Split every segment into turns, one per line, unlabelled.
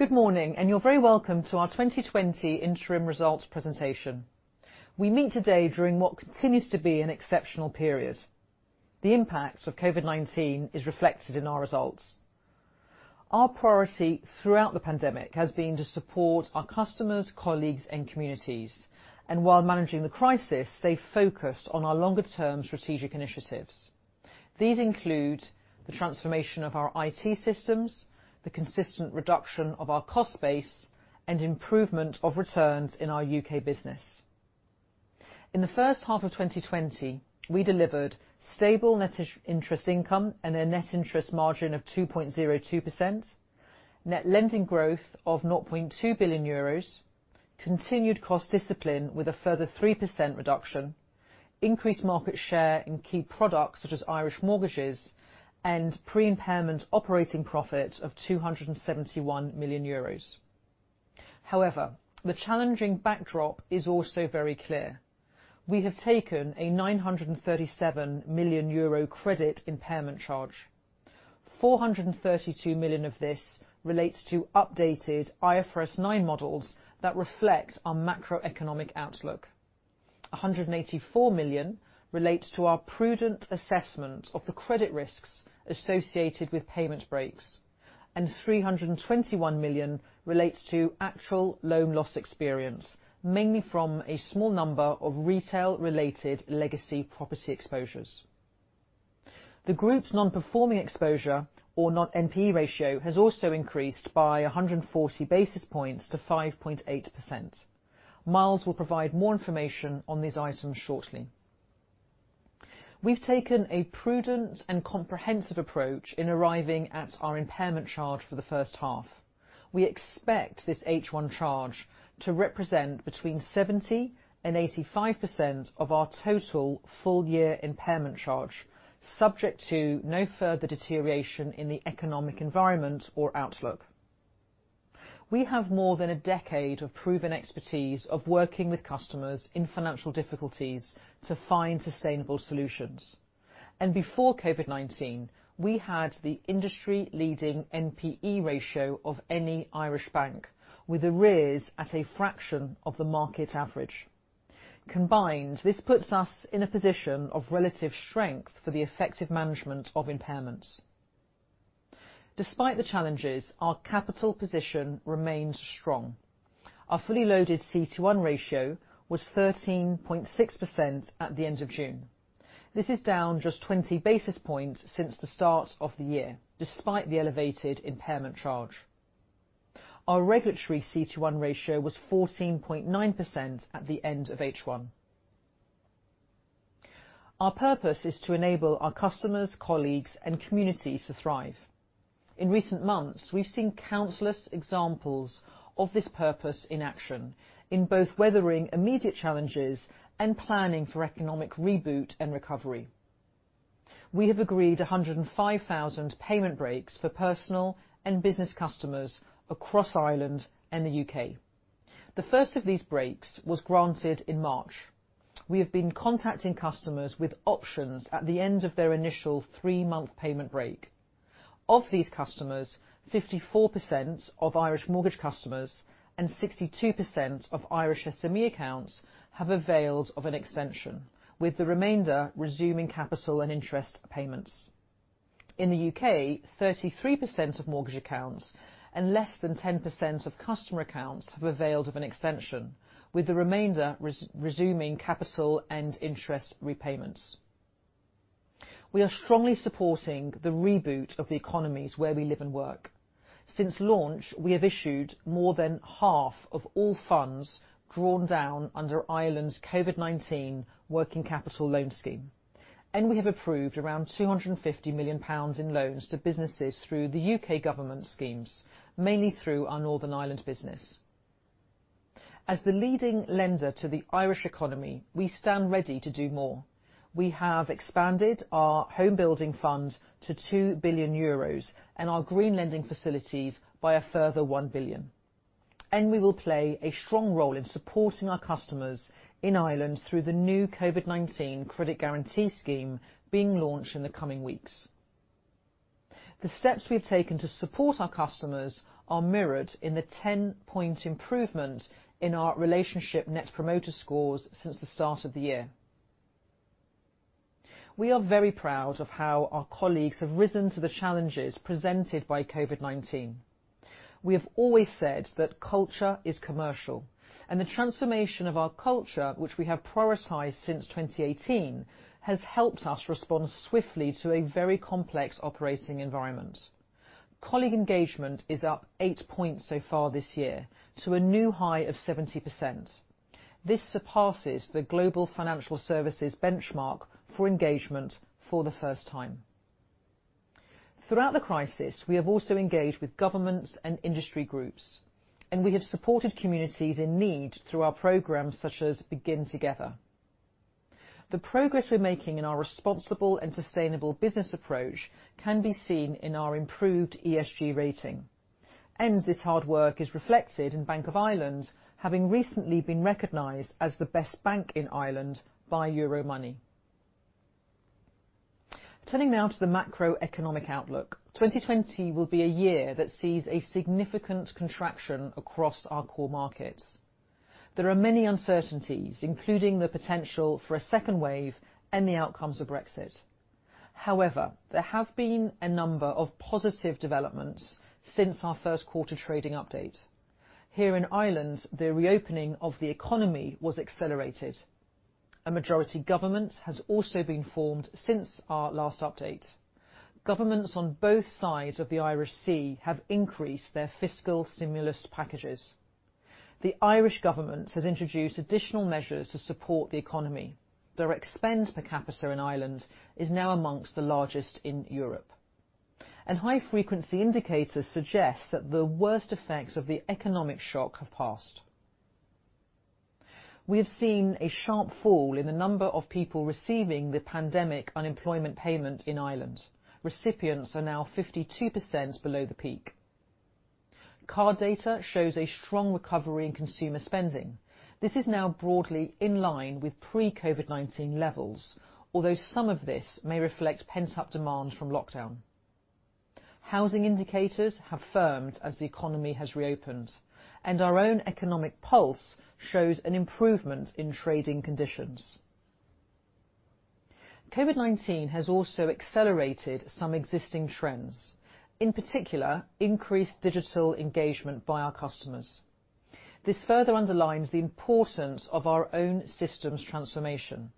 Good morning, and you're very welcome to our 2020 interim results presentation. We meet today during what continues to be an exceptional period. The impact of COVID-19 is reflected in our results. Our priority throughout the pandemic has been to support our customers, colleagues, and communities, and while managing the crisis, stay focused on our longer term strategic initiatives. These include the transformation of our IT systems, the consistent reduction of our cost base, and improvement of returns in our U.K. business. In the first half of 2020, we delivered stable net interest income and a net interest margin of 2.02%, net lending growth of 0.2 billion euros, continued cost discipline with a further 3% reduction, increased market share in key products such as Irish mortgages, and pre-impairment operating profit of 271 million euros. However, the challenging backdrop is also very clear. We have taken a 937 million euro credit impairment charge. 432 million of this relates to updated IFRS 9 models that reflect our macroeconomic outlook. 184 million relates to our prudent assessment of the credit risks associated with payment breaks. 321 million relates to actual loan loss experience, mainly from a small number of retail related legacy property exposures. The group's non-performing exposure or NPE ratio has also increased by 140 basis points to 5.8%. Myles will provide more information on these items shortly. We've taken a prudent and comprehensive approach in arriving at our impairment charge for the first half. We expect this H1 charge to represent between 70% and 85% of our total full-year impairment charge, subject to no further deterioration in the economic environment or outlook. We have more than a decade of proven expertise of working with customers in financial difficulties to find sustainable solutions. Before COVID-19, we had the industry leading NPE ratio of any Irish bank, with arrears at a fraction of the market average. Combined, this puts us in a position of relative strength for the effective management of impairments. Despite the challenges, our capital position remains strong. Our fully loaded CET1 ratio was 13.6% at the end of June. This is down just 20 basis points since the start of the year, despite the elevated impairment charge. Our regulatory CET1 ratio was 14.9% at the end of H1. Our purpose is to enable our customers, colleagues, and communities to thrive. In recent months, we've seen countless examples of this purpose in action in both weathering immediate challenges and planning for economic reboot and recovery. We have agreed 105,000 payment breaks for personal and business customers across Ireland and the U.K. The first of these breaks was granted in March. We have been contacting customers with options at the end of their initial three-month payment break. Of these customers, 54% of Irish mortgage customers and 62% of Irish SME accounts have availed of an extension, with the remainder resuming capital and interest payments. In the U.K., 33% of mortgage accounts and less than 10% of customer accounts have availed of an extension, with the remainder resuming capital and interest repayments. We are strongly supporting the reboot of the economies where we live and work. Since launch, we have issued more than half of all funds drawn down under Ireland's COVID-19 Working Capital Loan Scheme. We have approved around 250 million pounds in loans to businesses through the U.K. government schemes, mainly through our Northern Ireland business. As the leading lender to the Irish economy, we stand ready to do more. We have expanded our home building funds to 2 billion euros and our green lending facilities by a further 1 billion. We will play a strong role in supporting our customers in Ireland through the new COVID-19 Credit Guarantee Scheme being launched in the coming weeks. The steps we've taken to support our customers are mirrored in the 10 point improvement in our relationship net promoter scores since the start of the year. We are very proud of how our colleagues have risen to the challenges presented by COVID-19. We have always said that culture is commercial, and the transformation of our culture, which we have prioritized since 2018, has helped us respond swiftly to a very complex operating environment. Colleague engagement is up eight points so far this year to a new high of 70%. This surpasses the global financial services benchmark for engagement for the first time. Throughout the crisis, we have also engaged with governments and industry groups, and we have supported communities in need through our programs such as Begin Together. The progress we are making in our responsible and sustainable business approach can be seen in our improved ESG rating. This hard work is reflected in Bank of Ireland having recently been recognized as the best bank in Ireland by Euromoney. Turning now to the macroeconomic outlook. 2020 will be a year that sees a significant contraction across our core markets. There are many uncertainties, including the potential for a second wave and the outcomes of Brexit. However, there have been a number of positive developments since our first quarter trading update. Here in Ireland, the reopening of the economy was accelerated. A majority government has also been formed since our last update. Governments on both sides of the Irish Sea have increased their fiscal stimulus packages. The Irish government has introduced additional measures to support the economy. Direct spend per capita in Ireland is now amongst the largest in Europe. High frequency indicators suggest that the worst effects of the economic shock have passed. We have seen a sharp fall in the number of people receiving the Pandemic Unemployment Payment in Ireland. Recipients are now 52% below the peak. Card data shows a strong recovery in consumer spending. This is now broadly in line with pre-COVID-19 levels, although some of this may reflect pent-up demand from lockdown. Housing indicators have firmed as the economy has reopened, and our own Economic Pulse shows an improvement in trading conditions. COVID-19 has also accelerated some existing trends, in particular, increased digital engagement by our customers. This further underlines the importance of our own systems transformation.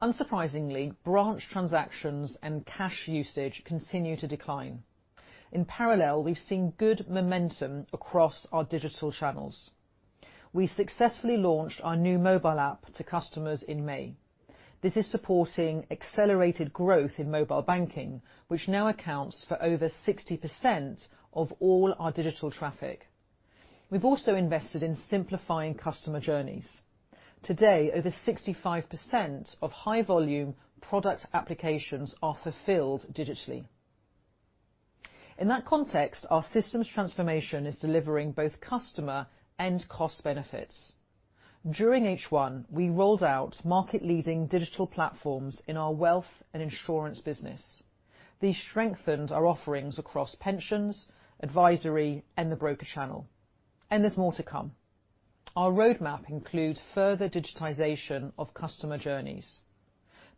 Unsurprisingly, branch transactions and cash usage continue to decline. In parallel, we've seen good momentum across our digital channels. We successfully launched our new mobile app to customers in May. This is supporting accelerated growth in mobile banking, which now accounts for over 60% of all our digital traffic. We've also invested in simplifying customer journeys. Today, over 65% of high volume product applications are fulfilled digitally. In that context, our systems transformation is delivering both customer and cost benefits. During H1, we rolled out market leading digital platforms in our wealth and insurance business. These strengthened our offerings across pensions, advisory, and the broker channel. There's more to come. Our roadmap includes further digitization of customer journeys.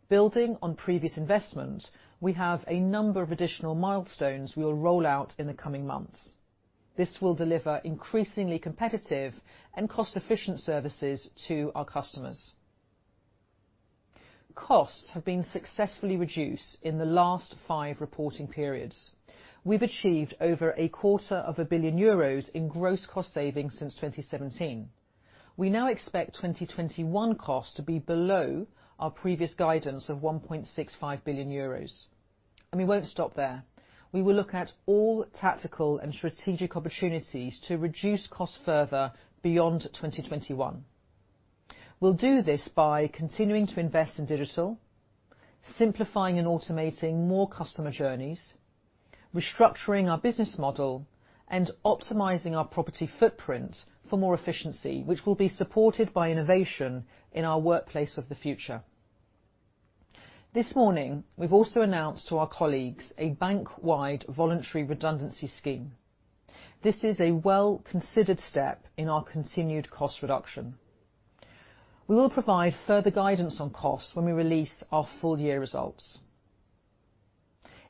Building on previous investments, we have a number of additional milestones we will roll out in the coming months. This will deliver increasingly competitive and cost efficient services to our customers. Costs have been successfully reduced in the last five reporting periods. We've achieved over a quarter of a billion euros in gross cost savings since 2017. We now expect 2021 costs to be below our previous guidance of 1.65 billion euros. We won't stop there. We will look at all tactical and strategic opportunities to reduce costs further beyond 2021. We'll do this by continuing to invest in digital, simplifying and automating more customer journeys, restructuring our business model, and optimizing our property footprint for more efficiency, which will be supported by innovation in our workplace of the future. This morning, we've also announced to our colleagues a bank-wide voluntary redundancy scheme. This is a well-considered step in our continued cost reduction. We will provide further guidance on costs when we release our full-year results.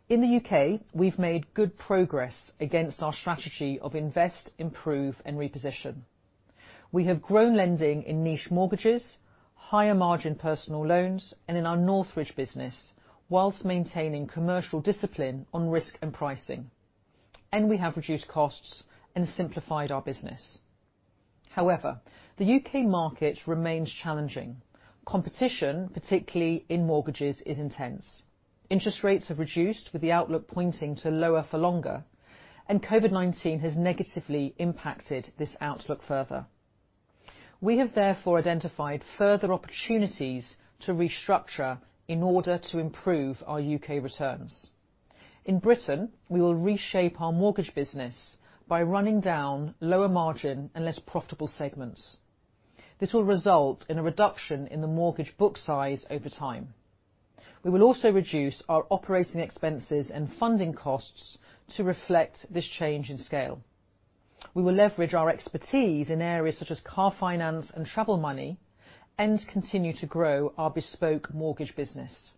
In the U.K., we've made good progress against our strategy of invest, improve, and reposition. We have grown lending in niche mortgages, higher margin personal loans, and in our Northridge business, while maintaining commercial discipline on risk and pricing. We have reduced costs and simplified our business. However, the U.K. market remains challenging. Competition, particularly in mortgages, is intense. Interest rates have reduced, with the outlook pointing to lower for longer. COVID-19 has negatively impacted this outlook further. We have therefore identified further opportunities to restructure in order to improve our U.K. returns. In Britain, we will reshape our mortgage business by running down lower margin and less profitable segments. This will result in a reduction in the mortgage book size over time. We will also reduce our operating expenses and funding costs to reflect this change in scale. We will leverage our expertise in areas such as car finance and travel money and continue to grow our bespoke mortgage business.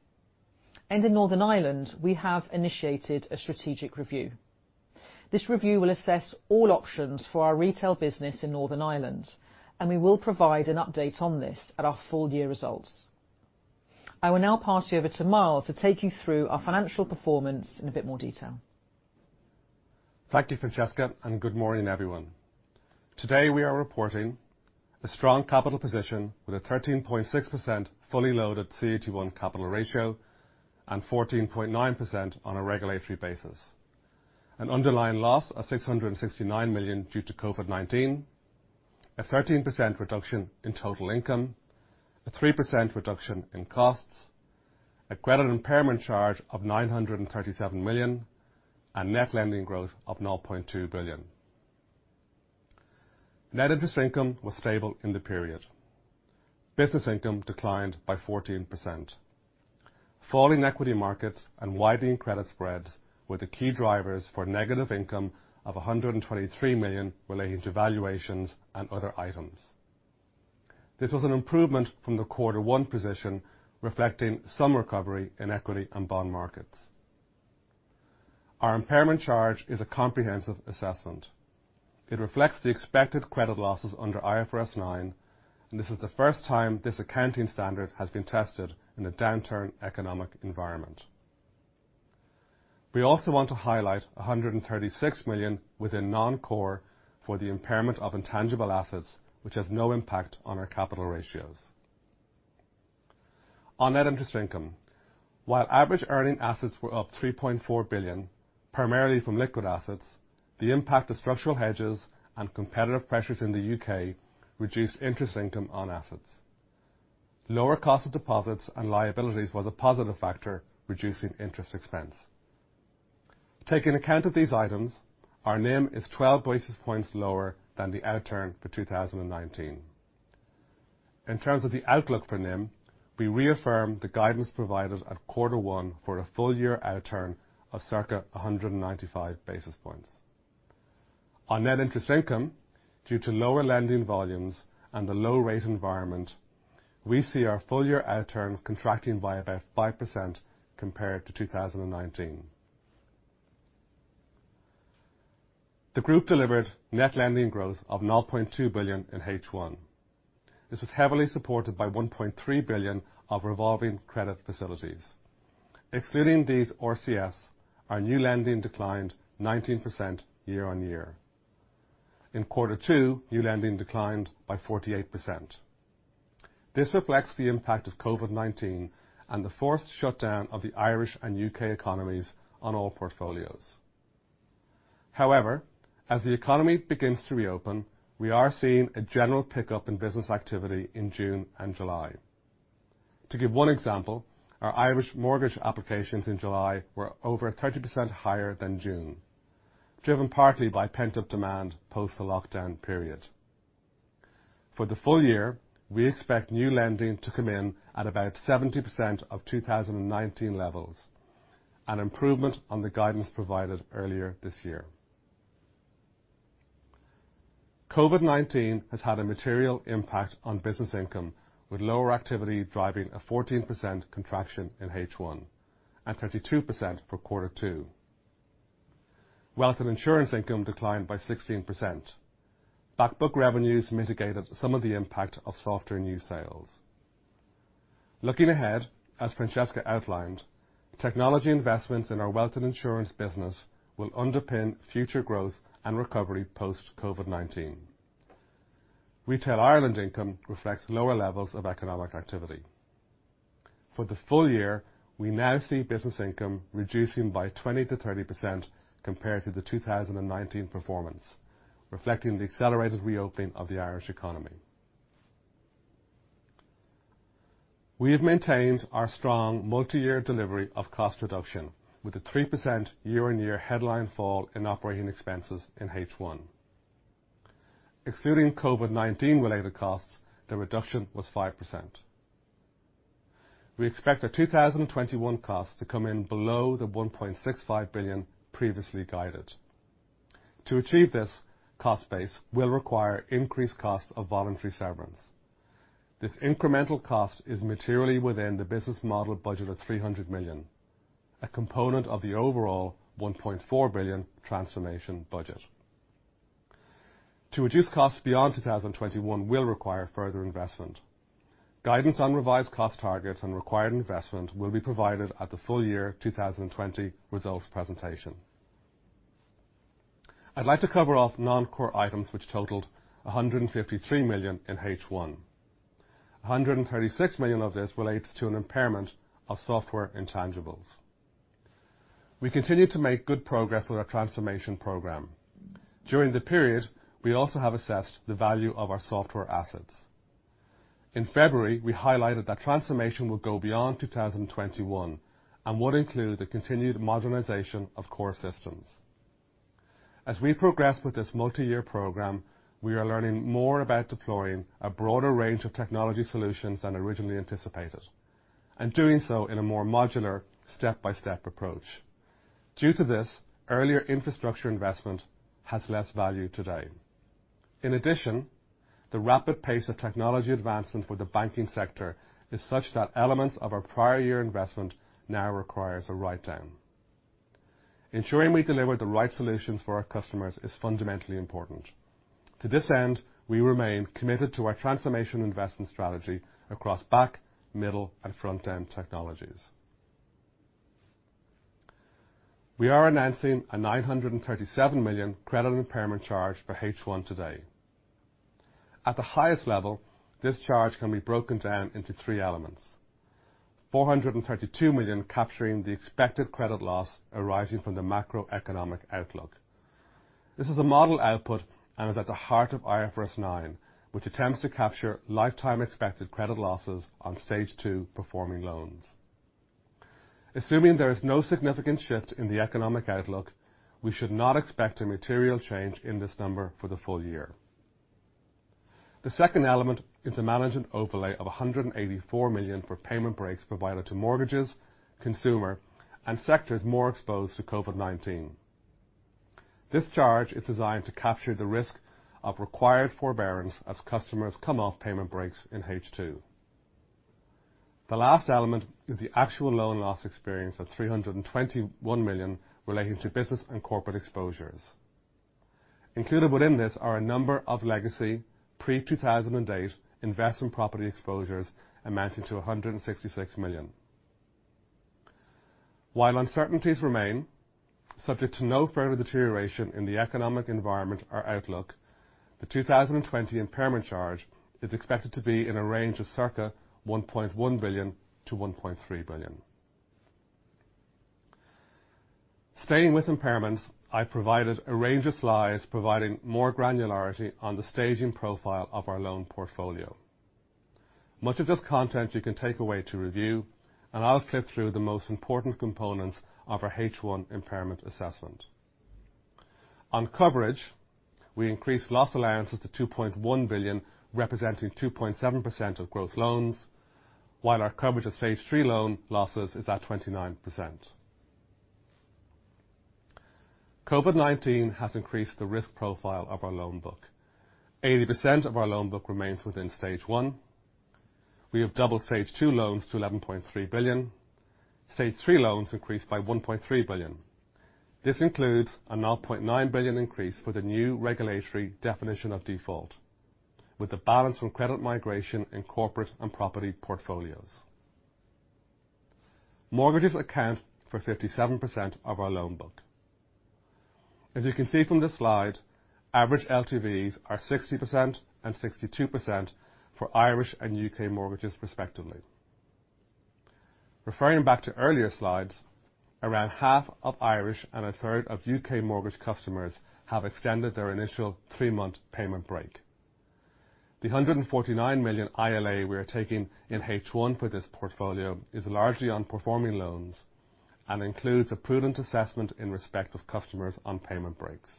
In Northern Ireland, we have initiated a strategic review. This review will assess all options for our retail business in Northern Ireland, and we will provide an update on this at our full-year results. I will now pass you over to Myles to take you through our financial performance in a bit more detail.
Thank you, Francesca, and good morning, everyone. Today, we are reporting a strong capital position with a 13.6% fully loaded CET1 capital ratio and 14.9% on a regulatory basis. An underlying loss of 669 million due to COVID-19, a 13% reduction in total income, a 3% reduction in costs, a credit impairment charge of 937 million, and net lending growth of 0.2 billion. Net interest income was stable in the period. Business income declined by 14%. Falling equity markets and widening credit spreads were the key drivers for negative income of 123 million relating to valuations and other items. This was an improvement from the quarter one position, reflecting some recovery in equity and bond markets. Our impairment charge is a comprehensive assessment. It reflects the expected credit losses under IFRS 9, and this is the first time this accounting standard has been tested in a downturn economic environment. We also want to highlight 136 million within non-core for the impairment of intangible assets, which has no impact on our capital ratios. On net interest income, while average earning assets were up 3.4 billion, primarily from liquid assets, the impact of structural hedges and competitive pressures in the U.K. reduced interest income on assets. Lower cost of deposits and liabilities was a positive factor, reducing interest expense. Taking account of these items, our NIM is 12 basis points lower than the outturn for 2019. In terms of the outlook for NIM, we reaffirm the guidance provided at quarter one for a full-year outturn of circa 195 basis points. On net interest income, due to lower lending volumes and the low rate environment, we see our full-year outturn contracting by about 5% compared to 2019. The group delivered net lending growth of 0.2 billion in H1. This was heavily supported by 1.3 billion of revolving credit facilities. Excluding these RCFs, our new lending declined 19% year-on-year. In quarter two, new lending declined by 48%. This reflects the impact of COVID-19 and the forced shutdown of the Irish and U.K. economies on all portfolios. As the economy begins to reopen, we are seeing a general pickup in business activity in June and July. To give one example, our Irish mortgage applications in July were over 30% higher than June, driven partly by pent-up demand post the lockdown period. For the full-year, we expect new lending to come in at about 70% of 2019 levels, an improvement on the guidance provided earlier this year. COVID-19 has had a material impact on business income, with lower activity driving a 14% contraction in H1, and 32% for quarter two. Wealth and insurance income declined by 16%. Back book revenues mitigated some of the impact of softer new sales. Looking ahead, as Francesca outlined, technology investments in our wealth and insurance business will underpin future growth and recovery post-COVID-19. Retail Ireland income reflects lower levels of economic activity. For the full-year, we now see business income reducing by 20%-30% compared to the 2019 performance, reflecting the accelerated reopening of the Irish economy. We have maintained our strong multi-year delivery of cost reduction, with a 3% year-on-year headline fall in operating expenses in H1. Excluding COVID-19 related costs, the reduction was 5%. We expect the 2021 costs to come in below the 1.65 billion previously guided. To achieve this cost base will require increased cost of voluntary severance. This incremental cost is materially within the business model budget of 300 million, a component of the overall 1.4 billion transformation budget. To reduce costs beyond 2021 will require further investment. Guidance on revised cost targets and required investment will be provided at the full-year 2020 results presentation. I'd like to cover off non-core items which totaled 153 million in H1. 136 million of this relates to an impairment of software intangibles. We continue to make good progress with our transformation program. During the period, we also have assessed the value of our software assets. In February, we highlighted that transformation would go beyond 2021 and would include the continued modernization of core systems. As we progress with this multi-year program, we are learning more about deploying a broader range of technology solutions than originally anticipated, and doing so in a more modular, step-by-step approach. Due to this, earlier infrastructure investment has less value today. The rapid pace of technology advancement for the banking sector is such that elements of our prior year investment now requires a write-down. Ensuring we deliver the right solutions for our customers is fundamentally important. To this end, we remain committed to our transformation investment strategy across back, middle, and front-end technologies. We are announcing a 937 million credit impairment charge for H1 today. At the highest level, this charge can be broken down into three elements. 432 million capturing the expected credit loss arising from the macroeconomic outlook. This is a model output and is at the heart of IFRS 9, which attempts to capture lifetime expected credit losses on stage two performing loans. Assuming there is no significant shift in the economic outlook, we should not expect a material change in this number for the full-year. The second element is the management overlay of 184 million for payment breaks provided to mortgages, consumer, and sectors more exposed to COVID-19. This charge is designed to capture the risk of required forbearance as customers come off payment breaks in H2. The last element is the actual loan loss experience of 321 million relating to business and corporate exposures. Included within this are a number of legacy pre-2008 investment property exposures amounting to 166 million. While uncertainties remain, subject to no further deterioration in the economic environment or outlook, the 2020 impairment charge is expected to be in a range of circa 1.1 billion-1.3 billion. Staying with impairments, I provided a range of slides providing more granularity on the staging profile of our loan portfolio. Much of this content you can take away to review, and I'll clip through the most important components of our H1 impairment assessment. On coverage, we increased loss allowances to 2.1 billion, representing 2.7% of gross loans, while our coverage of stage three loan losses is at 29%. COVID-19 has increased the risk profile of our loan book. 80% of our loan book remains within stage one. We have doubled stage two loans to 11.3 billion. stage three loans increased by 1.3 billion. This includes a 0.9 billion increase for the new regulatory definition of default, with the balance from credit migration in corporate and property portfolios. Mortgages account for 57% of our loan book. As you can see from this slide, average LTVs are 60% and 62% for Irish and U.K. mortgages respectively. Referring back to earlier slides, around half of Irish and a third of U.K. mortgage customers have extended their initial three-month payment break. The 149 million ILA we are taking in H1 for this portfolio is largely on performing loans and includes a prudent assessment in respect of customers on payment breaks.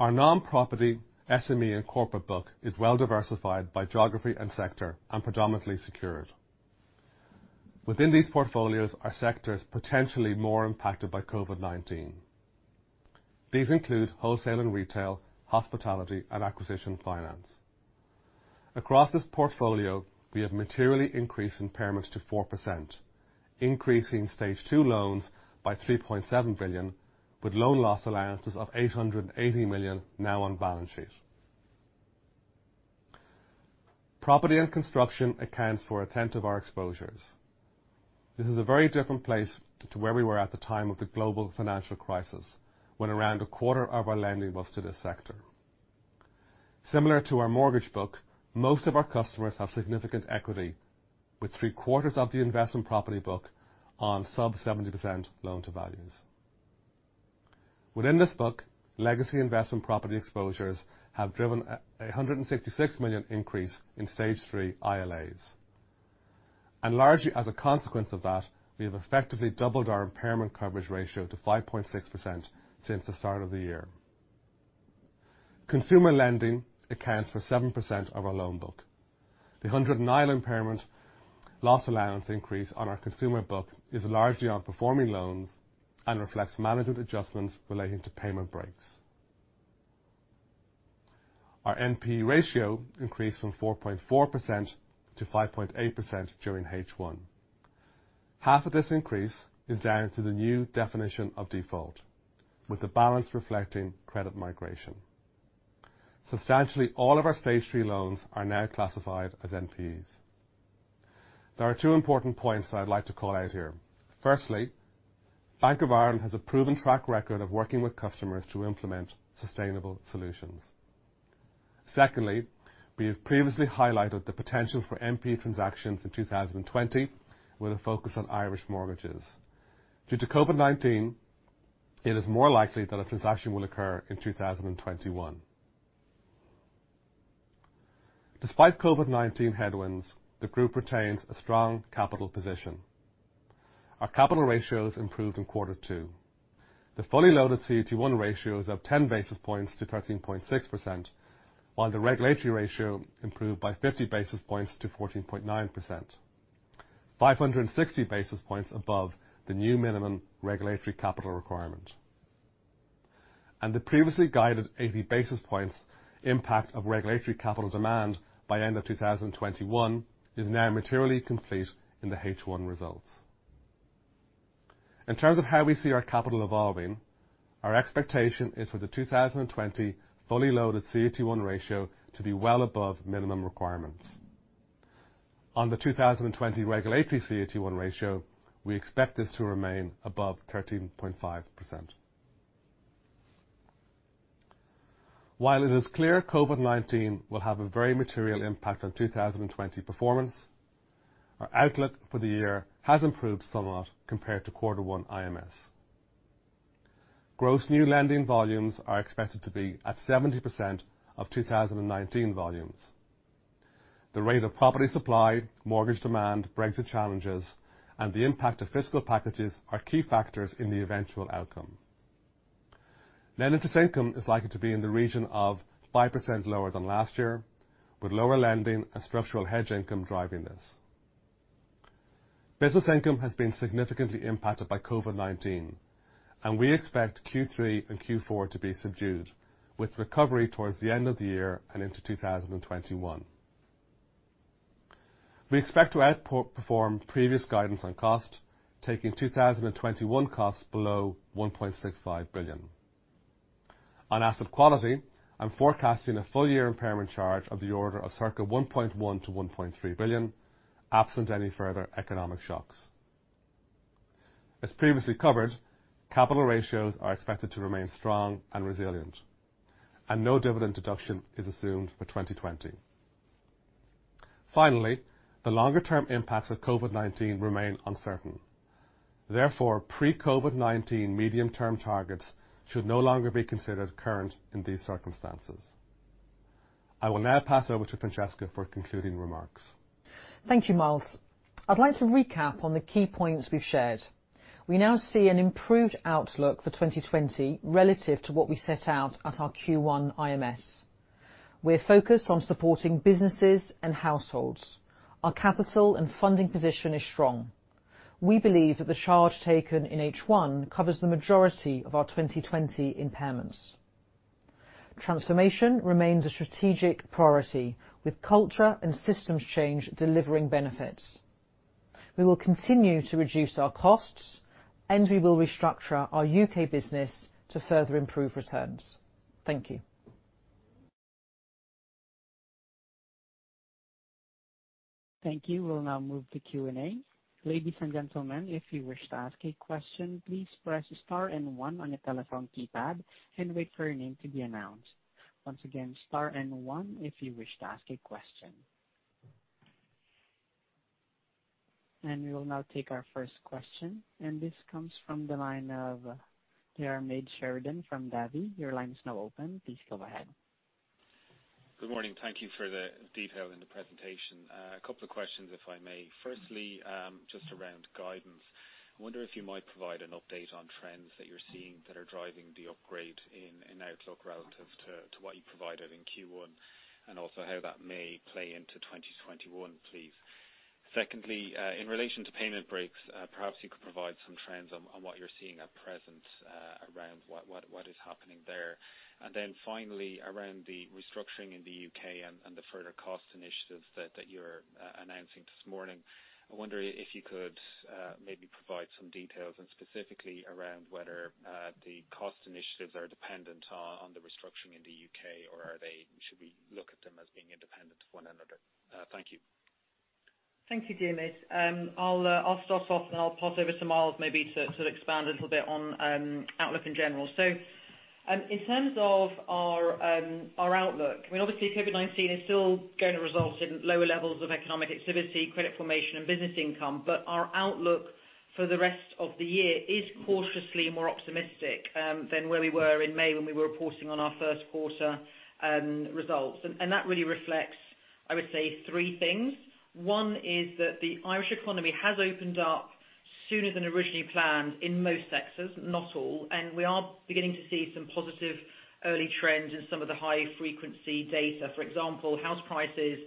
Our non-property SME and corporate book is well diversified by geography and sector and predominantly secured. Within these portfolios are sectors potentially more impacted by COVID-19. These include wholesale and retail, hospitality, and acquisition finance. Across this portfolio, we have materially increased impairments to 4%, increasing stage two loans by 3.7 billion, with loan loss allowances of 880 million now on balance sheet. Property and construction accounts for a tenth of our exposures. This is a very different place to where we were at the time of the global financial crisis, when around a quarter of our lending was to this sector. Similar to our mortgage book, most of our customers have significant equity, with three-quarters of the investment property book on sub 70% loan-to-values. Within this book, legacy investment property exposures have driven a 166 million increase in stage three ILAs. Largely as a consequence of that, we have effectively doubled our impairment coverage ratio to 5.6% since the start of the year. Consumer lending accounts for 7% of our loan book. The 109 impairment loss allowance increase on our consumer book is largely on performing loans and reflects management adjustments relating to payment breaks. Our NPE ratio increased from 4.4%-5.8% during H1. Half of this increase is down to the new definition of default, with the balance reflecting credit migration. Substantially all of our stage three loans are now classified as NPEs. There are two important points that I'd like to call out here. Firstly, Bank of Ireland has a proven track record of working with customers to implement sustainable solutions. Secondly, we have previously highlighted the potential for NPE transactions in 2020, with a focus on Irish mortgages. Due to COVID-19, it is more likely that a transaction will occur in 2021. Despite COVID-19 headwinds, the group retains a strong capital position. Our capital ratios improved in quarter two. The fully loaded CET1 ratio is up 10 basis points to 13.6%, while the regulatory ratio improved by 50 basis points to 14.9%, 560 basis points above the new minimum regulatory capital requirement. The previously guided 80 basis points impact of regulatory capital demand by end of 2021 is now materially complete in the H1 results. In terms of how we see our capital evolving, our expectation is for the 2020 fully loaded CET1 ratio to be well above minimum requirements. On the 2020 regulatory CET1 ratio, we expect this to remain above 13.5%. While it is clear COVID-19 will have a very material impact on 2020 performance, our outlook for the year has improved somewhat compared to Q1 IMS. Gross new lending volumes are expected to be at 70% of 2019 volumes. The rate of property supply, mortgage demand, Brexit challenges, and the impact of fiscal packages are key factors in the eventual outcome. Net interest income is likely to be in the region of 5% lower than last year, with lower lending and structural hedge income driving this. Business income has been significantly impacted by COVID-19, and we expect Q3 and Q4 to be subdued, with recovery towards the end of the year and into 2021. We expect to outperform previous guidance on cost, taking 2021 costs below 1.65 billion. On asset quality, I'm forecasting a full-year impairment charge of the order of circa 1.1 billion-1.3 billion, absent any further economic shocks. As previously covered, capital ratios are expected to remain strong and resilient, and no dividend deduction is assumed for 2020. The longer-term impacts of COVID-19 remain uncertain. Therefore, pre-COVID-19 medium-term targets should no longer be considered current in these circumstances. I will now pass over to Francesca for concluding remarks.
Thank you, Myles. I'd like to recap on the key points we've shared. We now see an improved outlook for 2020 relative to what we set out at our Q1 IMS. We're focused on supporting businesses and households. Our capital and funding position is strong. We believe that the charge taken in H1 covers the majority of our 2020 impairments. Transformation remains a strategic priority, with culture and systems change delivering benefits. We will continue to reduce our costs. We will restructure our U.K. business to further improve returns. Thank you.
Thank you. We'll now move to Q&A. Ladies and gentlemen, if you wish to ask a question, please press star and one on your telephone keypad and wait for your name to be announced. Once again, star and one if you wish to ask a question. We will now take our first question, and this comes from the line of Diarmaid Sheridan from Davy. Your line is now open. Please go ahead.
Good morning. Thank you for the detail in the presentation. A couple of questions, if I may. Firstly, just around guidance. I wonder if you might provide an update on trends that you're seeing that are driving the upgrade in outlook relative to what you provided in Q1, and also how that may play into 2021, please. Secondly, in relation to payment breaks, perhaps you could provide some trends on what you're seeing at present around what is happening there. Finally, around the restructuring in the U.K. and the further cost initiatives that you're announcing this morning, I wonder if you could maybe provide some details, and specifically around whether the cost initiatives are dependent on the restructuring in the U.K., or should we look at them as being independent of one another? Thank you.
Thank you, Diarmaid. I'll start off. I'll pass over to Myles maybe to expand a little bit on outlook in general. In terms of our outlook, obviously COVID-19 is still going to result in lower levels of economic activity, credit formation, and business income. Our outlook for the rest of the year is cautiously more optimistic than where we were in May when we were reporting on our first quarter results. That really reflects, I would say, three things. One is that the Irish economy has opened up sooner than originally planned in most sectors, not all. We are beginning to see some positive early trends in some of the high-frequency data. For example, house prices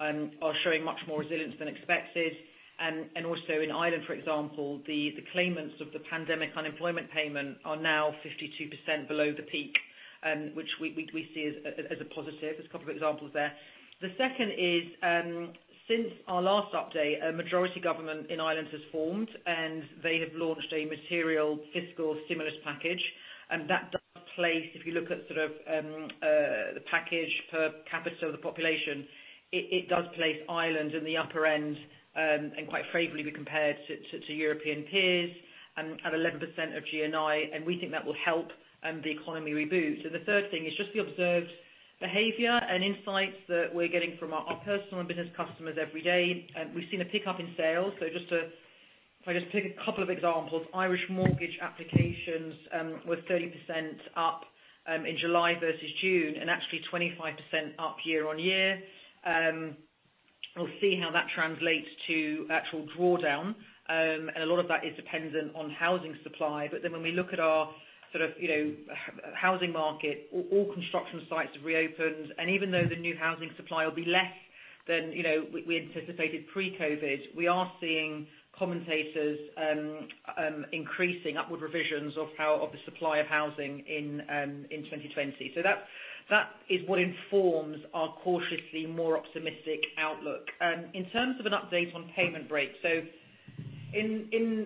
are showing much more resilience than expected. Also in Ireland, for example, the claimants of the Pandemic Unemployment Payment are now 52% below the peak, which we see as a positive. There's a couple of examples there. The second is, since our last update, a majority government in Ireland has formed, they have launched a material fiscal stimulus package. If you look at the package per capita of the population, it does place Ireland in the upper end, quite favorably compared to European peers at 11% of GNI, we think that will help the economy reboot. The third thing is just the observed behavior and insights that we're getting from our personal and business customers every day. We've seen a pickup in sales. If I just take a couple of examples, Irish mortgage applications were 30% up in July versus June, actually 25% up year-on-year. We'll see how that translates to actual drawdown. A lot of that is dependent on housing supply. When we look at our housing market, all construction sites have reopened, and even though the new housing supply will be less than we anticipated pre-COVID, we are seeing commentators increasing upward revisions of the supply of housing in 2020. That is what informs our cautiously more optimistic outlook. In terms of an update on payment breaks.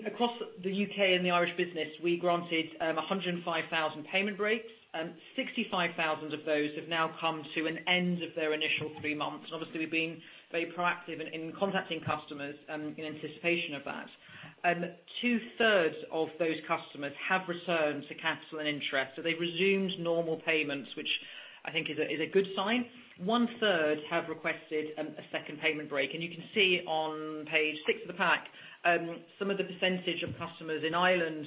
Across the U.K. and the Irish business, we granted 105,000 payment breaks. 65,000 of those have now come to an end of their initial three months, and obviously we're being very proactive in contacting customers in anticipation of that. Two-thirds of those customers have returned to capital and interest, so they've resumed normal payments, which I think is a good sign. One-third have requested a second payment break. You can see on page six of the pack, some of the percentage of customers in Ireland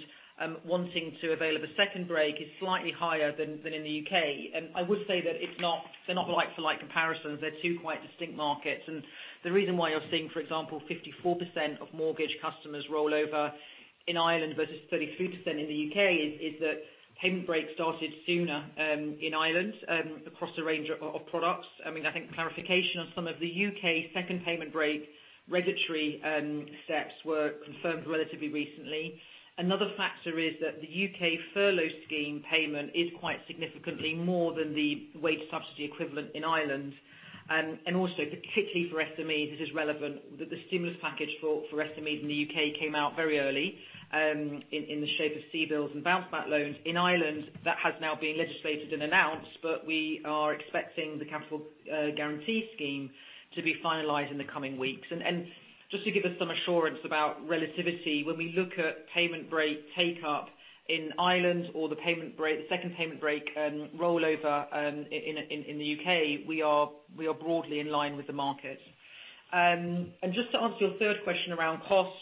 wanting to avail of a second break is slightly higher than in the U.K. I would say that they're not like for like comparisons. They're two quite distinct markets. The reason why you're seeing, for example, 54% of mortgage customers rollover in Ireland versus 33% in the U.K. is that payment break started sooner in Ireland across a range of products. I think clarification on some of the U.K. second payment break regulatory steps were confirmed relatively recently. Another factor is that the U.K. furlough scheme payment is quite significantly more than the wage subsidy equivalent in Ireland. Also, particularly for SMEs, this is relevant that the stimulus package for SMEs in the U.K. came out very early, in the shape of CBILS and Bounce Back Loans. In Ireland, that has now been legislated and announced, but we are expecting the COVID-19 Credit Guarantee Scheme to be finalized in the coming weeks. Just to give us some assurance about relativity, when we look at payment break take up in Ireland or the second payment break rollover in the U.K., we are broadly in line with the market. Just to answer your third question around cost,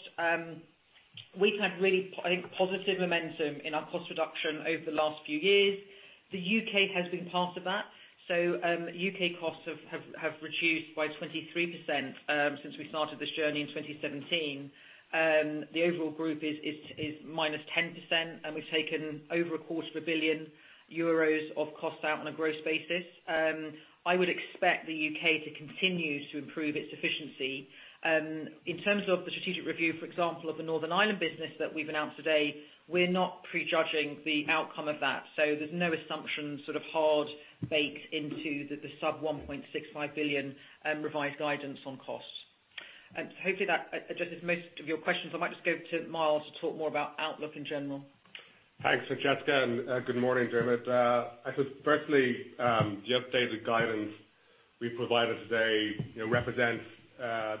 we've had really, I think, positive momentum in our cost reduction over the last few years. The U.K. has been part of that. U.K. costs have reduced by 23% since we started this journey in 2017. The overall group is minus 10%, and we've taken over a quarter of a billion euros of costs out on a gross basis. I would expect the U.K. to continue to improve its efficiency. In terms of the strategic review, for example, of the Northern Ireland business that we've announced today, we're not pre-judging the outcome of that. There's no assumption sort of hard baked into the sub 1.65 billion revised guidance on costs. Hopefully that addresses most of your questions. I might just go to Myles to talk more about outlook in general.
Thanks, Francesca, and good morning, Diarmaid. I think firstly, the updated guidance we provided today represents the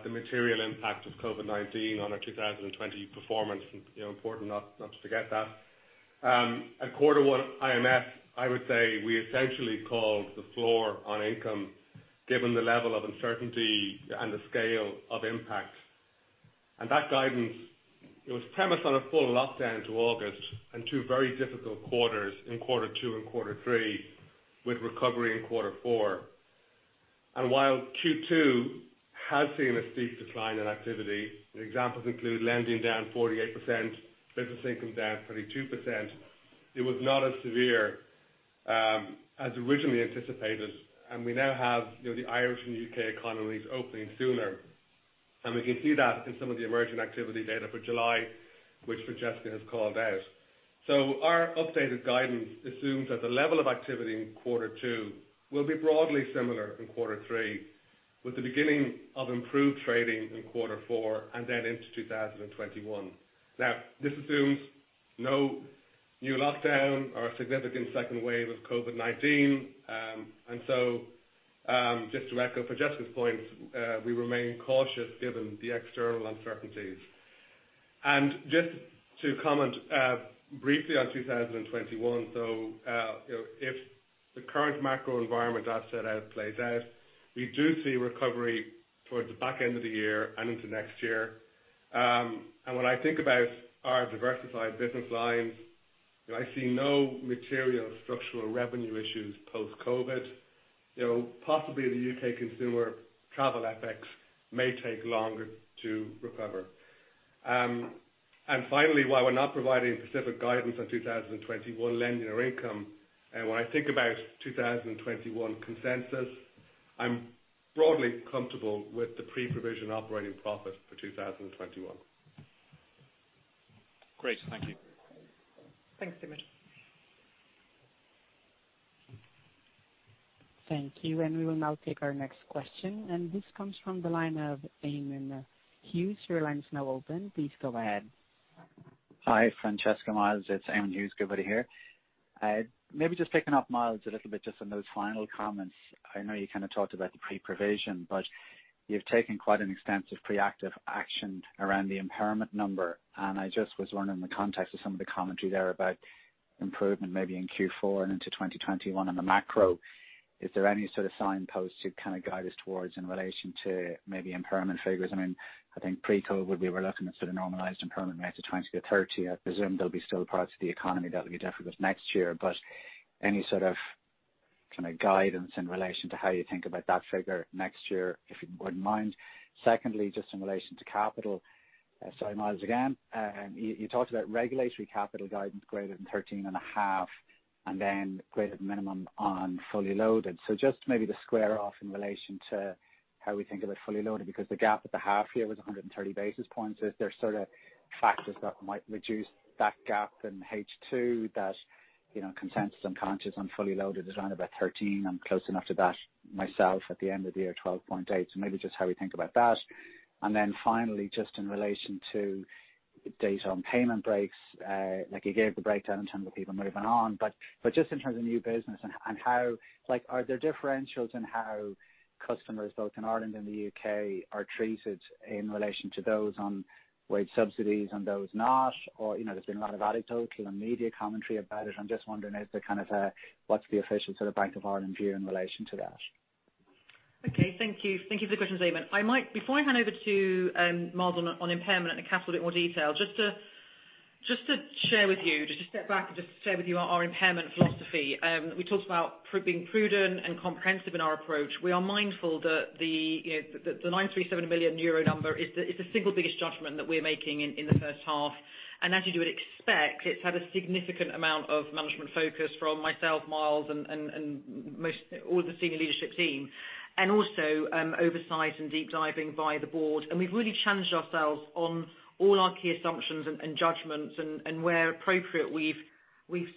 material impact of COVID-19 on our 2020 performance, important not to forget that. At Q1 IMS, I would say we essentially called the floor on income given the level of uncertainty and the scale of impact. That guidance, it was premised on a full lockdown to August and two very difficult quarters in Q2 and Q3, with recovery in Q4. While Q2 has seen a steep decline in activity, examples include lending down 48%, business income down 22%, it was not as severe as originally anticipated. We now have the Irish and U.K. economies opening sooner, we can see that in some of the emerging activity data for July, which Francesca has called out. Our updated guidance assumes that the level of activity in quarter two will be broadly similar in quarter three, with the beginning of improved trading in quarter four and then into 2021. This assumes no new lockdown or a significant second wave of COVID-19. Just to echo Francesca's point, we remain cautious given the external uncertainties. Just to comment briefly on 2021. If the current macro environment I've set out plays out, we do see recovery towards the back end of the year and into next year. When I think about our diversified business lines, I see no material structural revenue issues post-COVID. Possibly the U.K. consumer travel effects may take longer to recover. Finally, while we're not providing specific guidance on 2021 lending or income, and when I think about 2021 consensus, I'm broadly comfortable with the pre-provision operating profit for 2021.
Great. Thank you.
Thanks, Diarmaid.
Thank you. We will now take our next question. This comes from the line of Eamonn Hughes. Your line is now open. Please go ahead.
Hi, Francesca, Myles. It's Eamonn Hughes, Goodbody here. Maybe just picking up, Myles, a little bit just on those final comments. I know you kind of talked about the pre-provision, but you've taken quite an extensive proactive action around the impairment number, and I just was wondering the context of some of the commentary there about improvement maybe in Q4 and into 2021 on the macro. Is there any sort of signpost you'd kind of guide us towards in relation to maybe impairment figures? I think pre-COVID we were looking at sort of normalized impairment rates of 20-30. I presume there'll be still parts of the economy that'll be difficult next year, but any sort of guidance in relation to how you think about that figure next year, if you wouldn't mind. Secondly, just in relation to capital. Sorry, Myles, again. You talked about regulatory capital guidance greater than 13.5, and then greater than minimum on fully loaded. Just maybe to square off in relation to how we think about fully loaded, because the gap at the half year was 130 basis points. Is there sort of factors that might reduce that gap in H2 that consensus, I'm conscious, on fully loaded is around about 13. I'm close enough to that myself at the end of the year, 12.8. Maybe just how we think about that. Finally, just in relation to data on payment breaks, like you gave the breakdown in terms of people moving on. Just in terms of new business, are there differentials in how customers both in Ireland and the U.K. are treated in relation to those on wage subsidies and those not? There's been a lot of anecdotal and media commentary about it. I'm just wondering what's the official sort of Bank of Ireland view in relation to that?
Okay. Thank you for the question, Eamonn. Before I hand over to Myles on impairment and the capital in more detail, just to step back and just share with you our impairment philosophy. We talked about being prudent and comprehensive in our approach. We are mindful that the 937 million euro number is the single biggest judgment that we're making in the first half. As you would expect, it's had a significant amount of management focus from myself, Myles, and all the senior leadership team, and also oversight and deep diving by the board. We've really challenged ourselves on all our key assumptions and judgments, and where appropriate, we've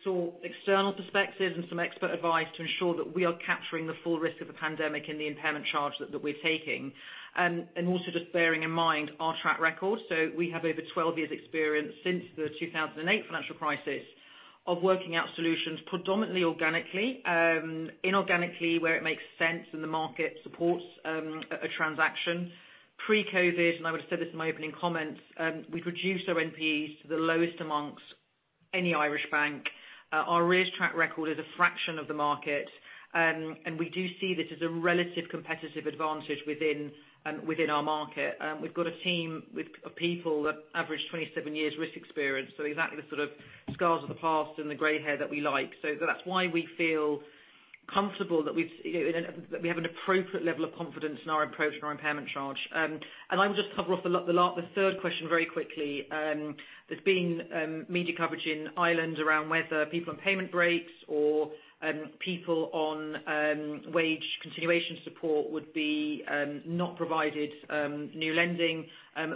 sought external perspectives and some expert advice to ensure that we are capturing the full risk of the pandemic in the impairment charge that we're taking. Also just bearing in mind our track record. We have over 12 years' experience since the 2008 financial crisis of working out solutions predominantly organically, inorganically where it makes sense and the market supports a transaction. Pre-COVID-19, and I would have said this in my opening comments, we'd reduced our NPEs to the lowest amongst any Irish bank. Our risk track record is a fraction of the market, and we do see this as a relative competitive advantage within our market. We've got a team of people that average 27 years risk experience, so exactly the sort of scars of the past and the gray hair that we like. That's why we feel comfortable that we have an appropriate level of confidence in our approach and our impairment charge. I will just cover the third question very quickly. There's been media coverage in Ireland around whether people on payment breaks or people on wage continuation support would be not provided new lending.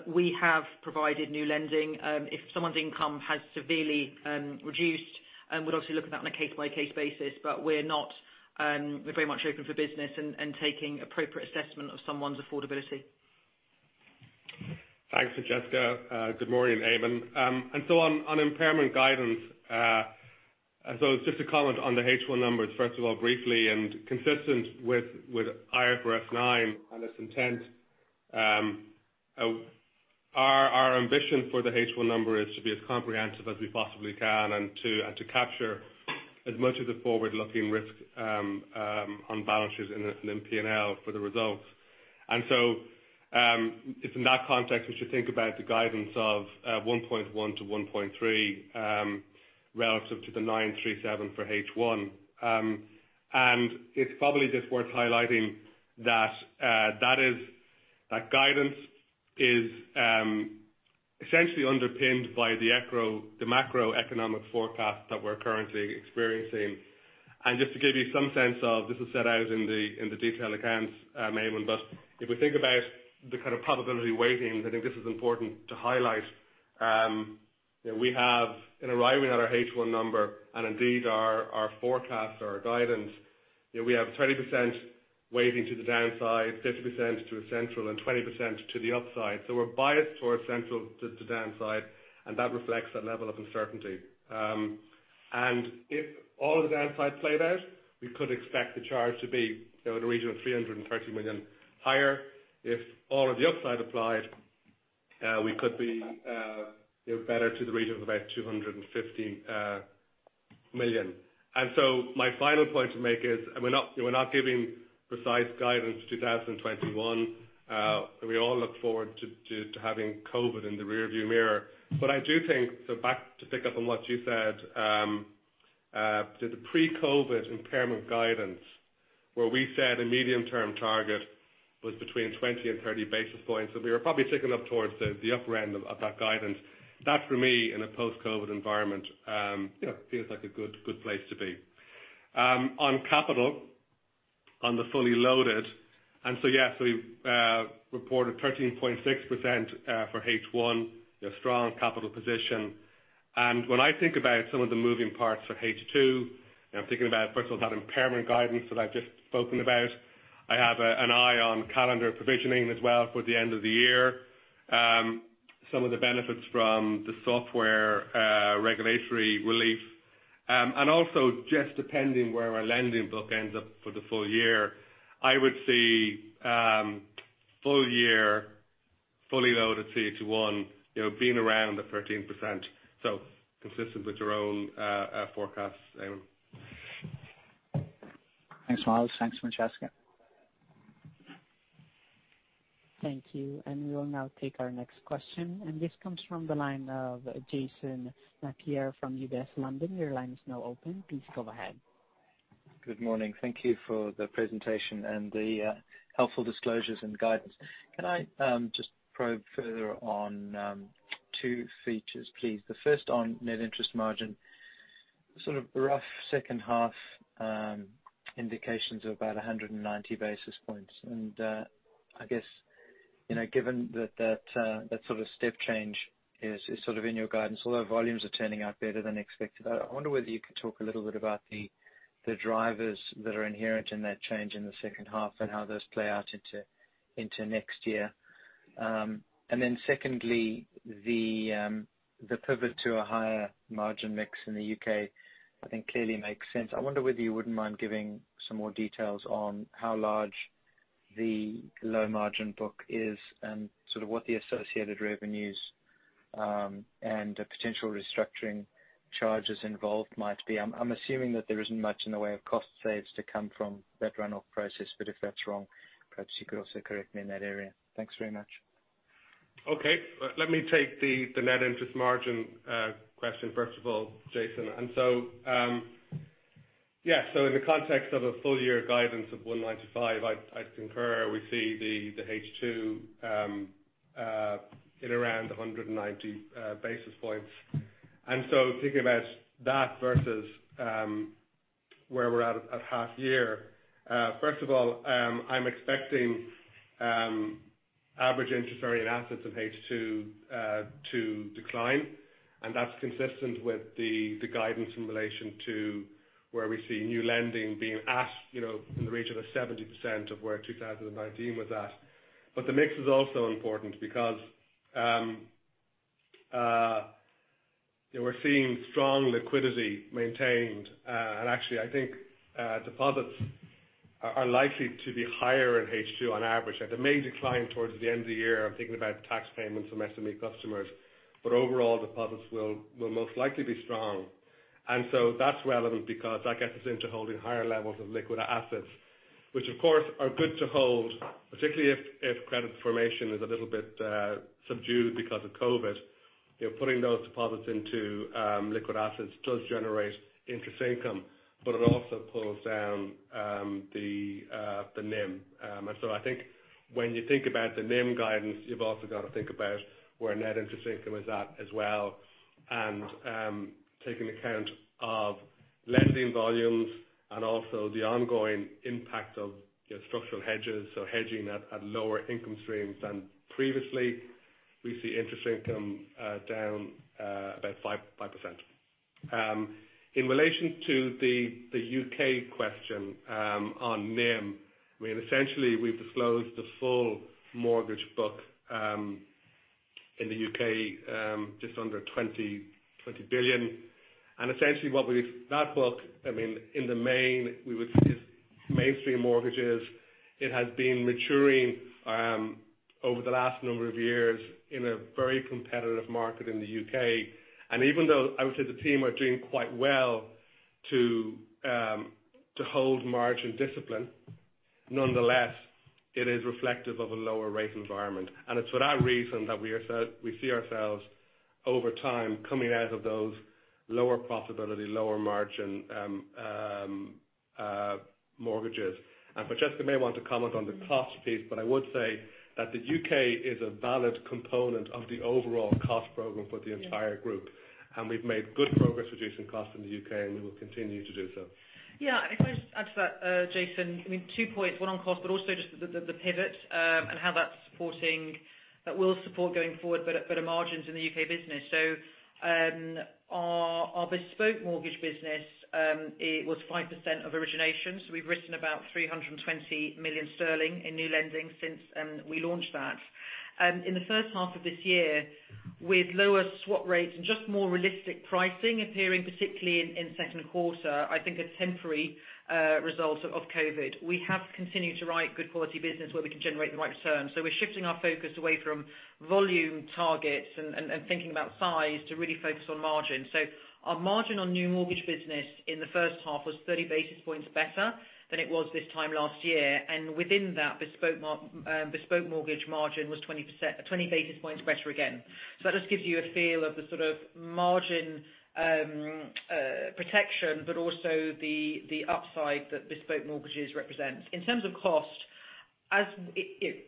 We have provided new lending. If someone's income has severely reduced, we'd obviously look at that on a case-by-case basis, but we're very much open for business and taking appropriate assessment of someone's affordability.
Thanks, Francesca. Good morning, Eamonn. On impairment guidance, just to comment on the H1 numbers, first of all, briefly, consistent with IFRS 9 and its intent, our ambition for the H1 number is to be as comprehensive as we possibly can and to capture as much of the forward-looking risk on balances in P&L for the results. It's in that context we should think about the guidance of 1.1-1.3 relative to the 937 for H1. It's probably just worth highlighting that that guidance is essentially underpinned by the macroeconomic forecast that we're currently experiencing. Just to give you some sense of, this is set out in the detailed accounts, Eamonn, if we think about the kind of probability weighting, I think this is important to highlight. We have, in arriving at our H1 number, and indeed our forecast, our guidance, we have 30% weighting to the downside, 50% to the central, and 20% to the upside. We're biased towards central to downside, and that reflects that level of uncertainty. If all of the downsides played out, we could expect the charge to be in the region of 330 million higher. If all of the upside applied, we could be better to the region of about 250 million. My final point to make is, we're not giving precise guidance for 2021, and we all look forward to having COVID in the rearview mirror. I do think, so back to pick up on what you said, to the pre-COVID impairment guidance, where we said a medium-term target was between 20 and 30 basis points, and we were probably ticking up towards the upper end of that guidance. That, for me, in a post-COVID environment feels like a good place to be. On capital, on the fully loaded, yeah, we've reported 13.6% for H1, a strong capital position. When I think about some of the moving parts for H2, I'm thinking about, first of all, that impairment guidance that I've just spoken about. I have an eye on calendar provisioning as well for the end of the year. Some of the benefits from the software regulatory relief. Also just depending where our lending book ends up for the full-year, I would see full-year, fully loaded CET1 being around the 13%. Consistent with your own forecasts, Eamonn.
Thanks, Myles. Thanks, Francesca.
Thank you. We will now take our next question, and this comes from the line of Jason Napier from UBS London. Your line is now open. Please go ahead.
Good morning. Thank you for the presentation and the helpful disclosures and guidance. Can I just probe further on two features, please? The first on net interest margin, sort of rough second half indications of about 190 basis points. I guess, given that sort of step change is sort of in your guidance, although volumes are turning out better than expected. I wonder whether you could talk a little bit about the drivers that are inherent in that change in the second half and how those play out into next year. Then secondly, the pivot to a higher margin mix in the U.K., I think clearly makes sense. I wonder whether you wouldn't mind giving some more details on how large the low margin book is and sort of what the associated revenues and the potential restructuring charges involved might be. I'm assuming that there isn't much in the way of cost saves to come from that run-off process. If that's wrong, perhaps you could also correct me in that area. Thanks very much.
Okay. Let me take the net interest margin question first of all, Jason. Yeah. In the context of a full-year guidance of 195, I'd concur, we see the H2 at around 190 basis points. Thinking about that versus where we're at at half year, first of all, I'm expecting average interest rate on assets in H2 to decline, and that's consistent with the guidance in relation to where we see new lending being at in the region of 70% of where 2019 was at. The mix is also important because we're seeing strong liquidity maintained. Actually, I think deposits are likely to be higher in H2 on average. They may decline towards the end of the year. I'm thinking about tax payments from SME customers. Overall, deposits will most likely be strong. That's relevant because that gets us into holding higher levels of liquid assets, which of course are good to hold, particularly if credit formation is a little bit subdued because of COVID-19. Putting those deposits into liquid assets does generate interest income, but it also pulls down the NIM. I think when you think about the NIM guidance, you've also got to think about where net interest income is at as well, and take into account of lending volumes and also the ongoing impact of structural hedges. So hedging at lower income streams than previously. We see interest income down about 5%. In relation to the U.K. question on NIM, essentially we've disclosed the full mortgage book in the U.K., just under 20 billion. Essentially that book, in the main, is mainstream mortgages. It has been maturing over the last number of years in a very competitive market in the U.K. Even though I would say the team are doing quite well to hold margin discipline, nonetheless, it is reflective of a lower rate environment. It's for that reason that we see ourselves over time coming out of those lower profitability, lower margin mortgages. Francesca may want to comment on the cost piece, but I would say that the U.K. is a valid component of the overall cost program for the entire group, and we've made good progress reducing costs in the U.K., and we will continue to do so.
If I just add to that, Jason, two points. One on cost, also just the pivot, and how that will support going forward better margins in the U.K. business. Our bespoke mortgage business, it was 5% of origination. We've written about 320 million sterling in new lending since we launched that. In the first half of this year, with lower swap rates and just more realistic pricing appearing particularly in second quarter, I think a temporary result of COVID, we have continued to write good quality business where we can generate the right return. We're shifting our focus away from volume targets and thinking about size to really focus on margin. Our margin on new mortgage business in the first half was 30 basis points better than it was this time last year. Within that bespoke mortgage margin was 20 basis points better again. That just gives you a feel of the sort of margin protection, but also the upside that bespoke mortgages represent. In terms of cost, as the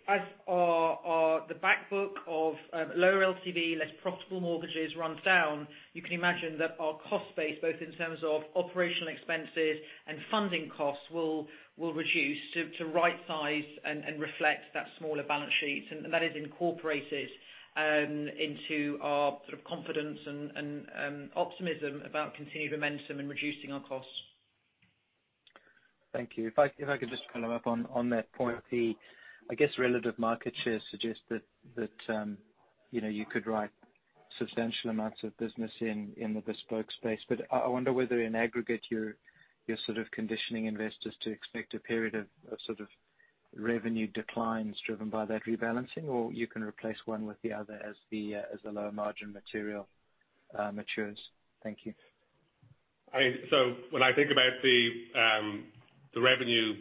back book of lower LTV, less profitable mortgages runs down, you can imagine that our cost base, both in terms of operational expenses and funding costs, will reduce to right size and reflect that smaller balance sheet. That is incorporated into our sort of confidence and optimism about continued momentum in reducing our costs.
Thank you. If I could just follow up on that point. The, I guess, relative market share suggests that you could write substantial amounts of business in the bespoke space, but I wonder whether in aggregate, you're sort of conditioning investors to expect a period of sort of revenue declines driven by that rebalancing, or you can replace one with the other as the lower margin material matures. Thank you.
When I think about the revenue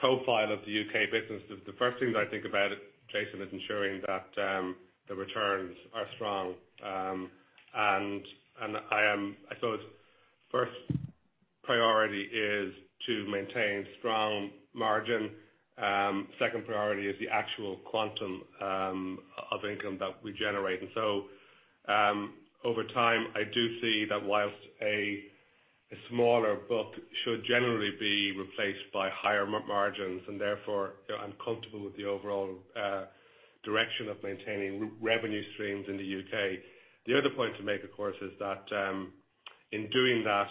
profile of the U.K. business, the first things I think about, Jason, is ensuring that the returns are strong. I suppose first priority is to maintain strong margin. Second priority is the actual quantum of income that we generate. Over time, I do see that whilst a smaller book should generally be replaced by higher margins, and therefore I'm comfortable with the overall direction of maintaining revenue streams in the U.K. The other point to make, of course, is that in doing that,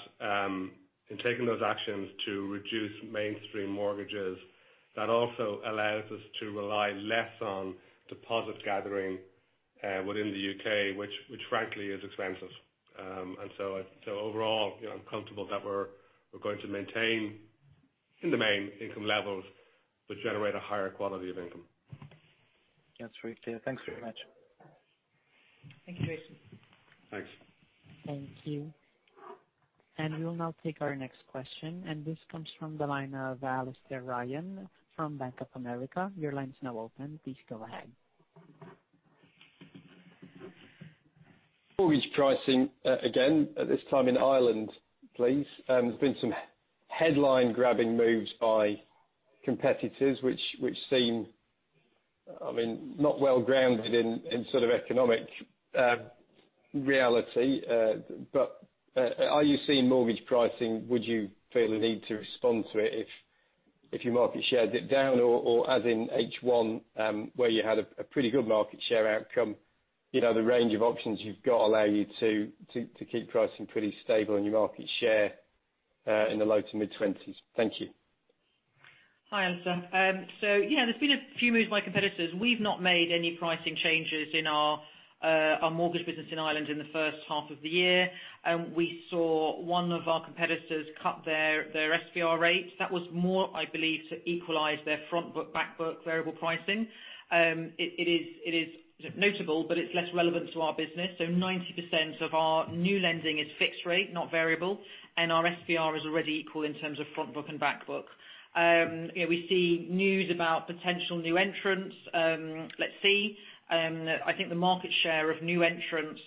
in taking those actions to reduce mainstream mortgages, that also allows us to rely less on deposit gathering within the U.K., which frankly is expensive. Overall, I'm comfortable that we're going to maintain in the main income levels, which generate a higher quality of income.
That's very clear. Thanks very much.
Thank you, Jason.
Thanks.
Thank you. We will now take our next question, and this comes from the line of Alastair Ryan from Bank of America. Your line's now open. Please go ahead.
Mortgage pricing again, at this time in Ireland, please. There's been some headline grabbing moves by competitors, which seem, not well-grounded in sort of economic reality. Are you seeing mortgage pricing? Would you feel a need to respond to it if your market share dipped down or as in H1, where you had a pretty good market share outcome, the range of options you've got allow you to keep pricing pretty stable and your market share, in the low to mid-20s. Thank you.
Hi, Alastair. Yeah, there's been a few moves by competitors. We've not made any pricing changes in our mortgage business in Ireland in the first half of the year. We saw one of our competitors cut their SVR rates. That was more, I believe, to equalize their front book, back book variable pricing. It is notable, but it's less relevant to our business. 90% of our new lending is fixed rate, not variable, and our SVR is already equal in terms of front book and back book. We see news about potential new entrants. Let's see. I think the market share of new entrants,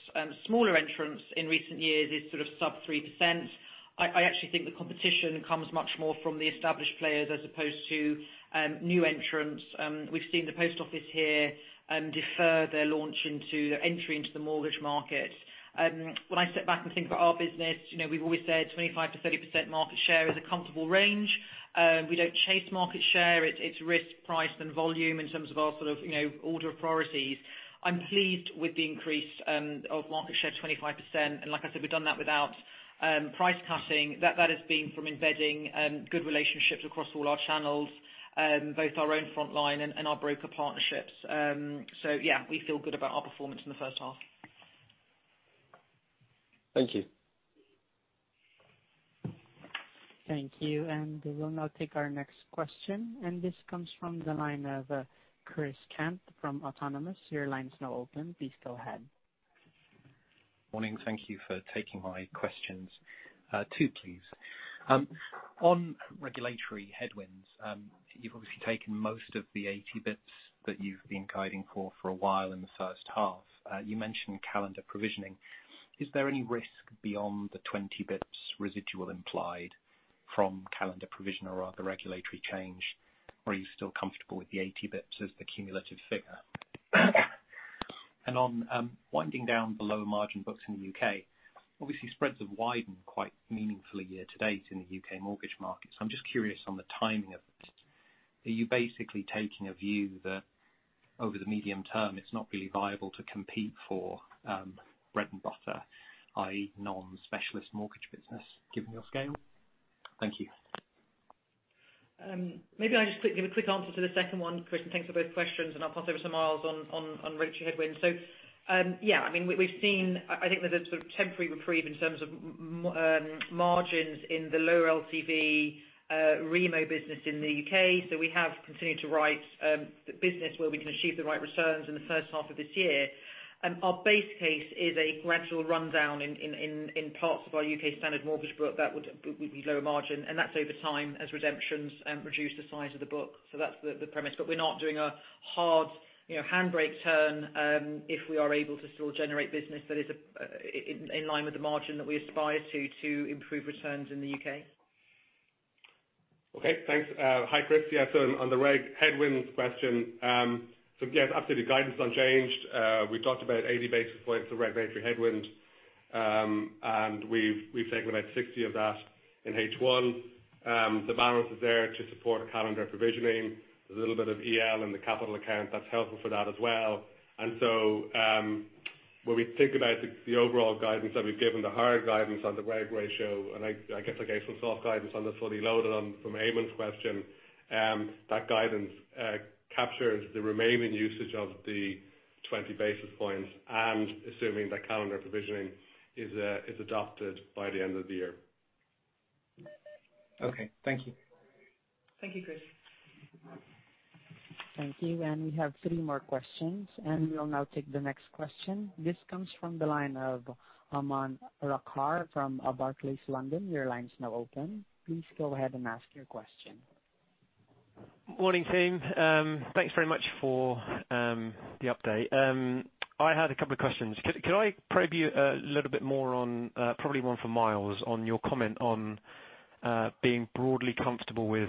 smaller entrants in recent years is sort of sub 3%. I actually think the competition comes much more from the established players as opposed to new entrants. We've seen An Post here defer their launch into their entry into the mortgage market. When I step back and think about our business, we've always said 25%-30% market share is a comfortable range. We don't chase market share. It's risk, price, and volume in terms of our sort of order of priorities. I'm pleased with the increase of market share 25%. Like I said, we've done that without price cutting. That has been from embedding good relationships across all our channels, both our own frontline and our broker partnerships. Yeah, we feel good about our performance in the first half.
Thank you.
Thank you. We will now take our next question, and this comes from the line of Chris Cant from Autonomous. Your line is now open. Please go ahead.
Morning. Thank you for taking my questions. Two, please. On regulatory headwinds, you've obviously taken most of the 80 basis points that you've been guiding for a while in the first half. You mentioned calendar provisioning. Is there any risk beyond the 20 basis points residual implied from calendar provisioning or other regulatory change, or are you still comfortable with the 80 basis points as the cumulative figure? On winding down the lower margin books in the U.K., obviously spreads have widened quite meaningfully year to date in the U.K. mortgage market. I'm just curious on the timing of it. Are you basically taking a view that over the medium term it's not really viable to compete for bread and butter, i.e. non-specialist mortgage business given your scale? Thank you.
Maybe I just give a quick answer to the second one, Chris, and thanks for both questions, and I'll pass over to Myles on regulatory headwinds. Yeah, we've seen, I think there's a sort of temporary reprieve in terms of margins in the lower LTV remo business in the U.K. We have continued to write the business where we can achieve the right returns in the first half of this year. Our base case is a gradual rundown in parts of our U.K. standard mortgage book that would be lower margin, and that's over time as redemptions reduce the size of the book. That's the premise. We're not doing a hard handbrake turn if we are able to still generate business that is in line with the margin that we aspire to improve returns in the U.K.
Okay. Thanks. Hi, Chris. Yeah. On the reg headwinds question, again, absolutely guidance unchanged. We talked about 80 basis points of regulatory headwind, we've taken about 60 of that in H1. The balance is there to support calendar provisioning. There's a little bit of EL in the capital account that's helpful for that as well. When we think about the overall guidance that we've given, the higher guidance on the reg ratio, and I guess I gave some soft guidance on this fully loaded on from Eamonn's question. That guidance captures the remaining usage of the 20 basis points and assuming that calendar provisioning is adopted by the end of the year.
Okay. Thank you.
Thank you, Chris.
Thank you. We have three more questions, and we will now take the next question. This comes from the line of Aman Rakkar from Barclays, London. Your line is now open. Please go ahead and ask your question.
Morning, team. Thanks very much for the update. I had a couple of questions. Could I probe you a little bit more on, probably one for Myles, on your comment on being broadly comfortable with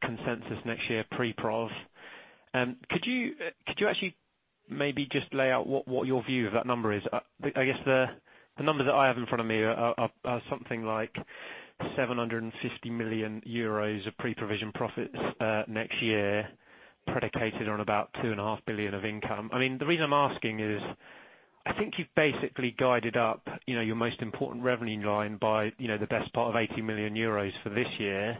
consensus next year pre-prov? Could you actually maybe just lay out what your view of that number is? I guess the number that I have in front of me are something like 750 million euros of pre-provision profits next year, predicated on about 2.5 billion of income. The reason I'm asking is I think you've basically guided up your most important revenue line by the best part of 80 million euros for this year.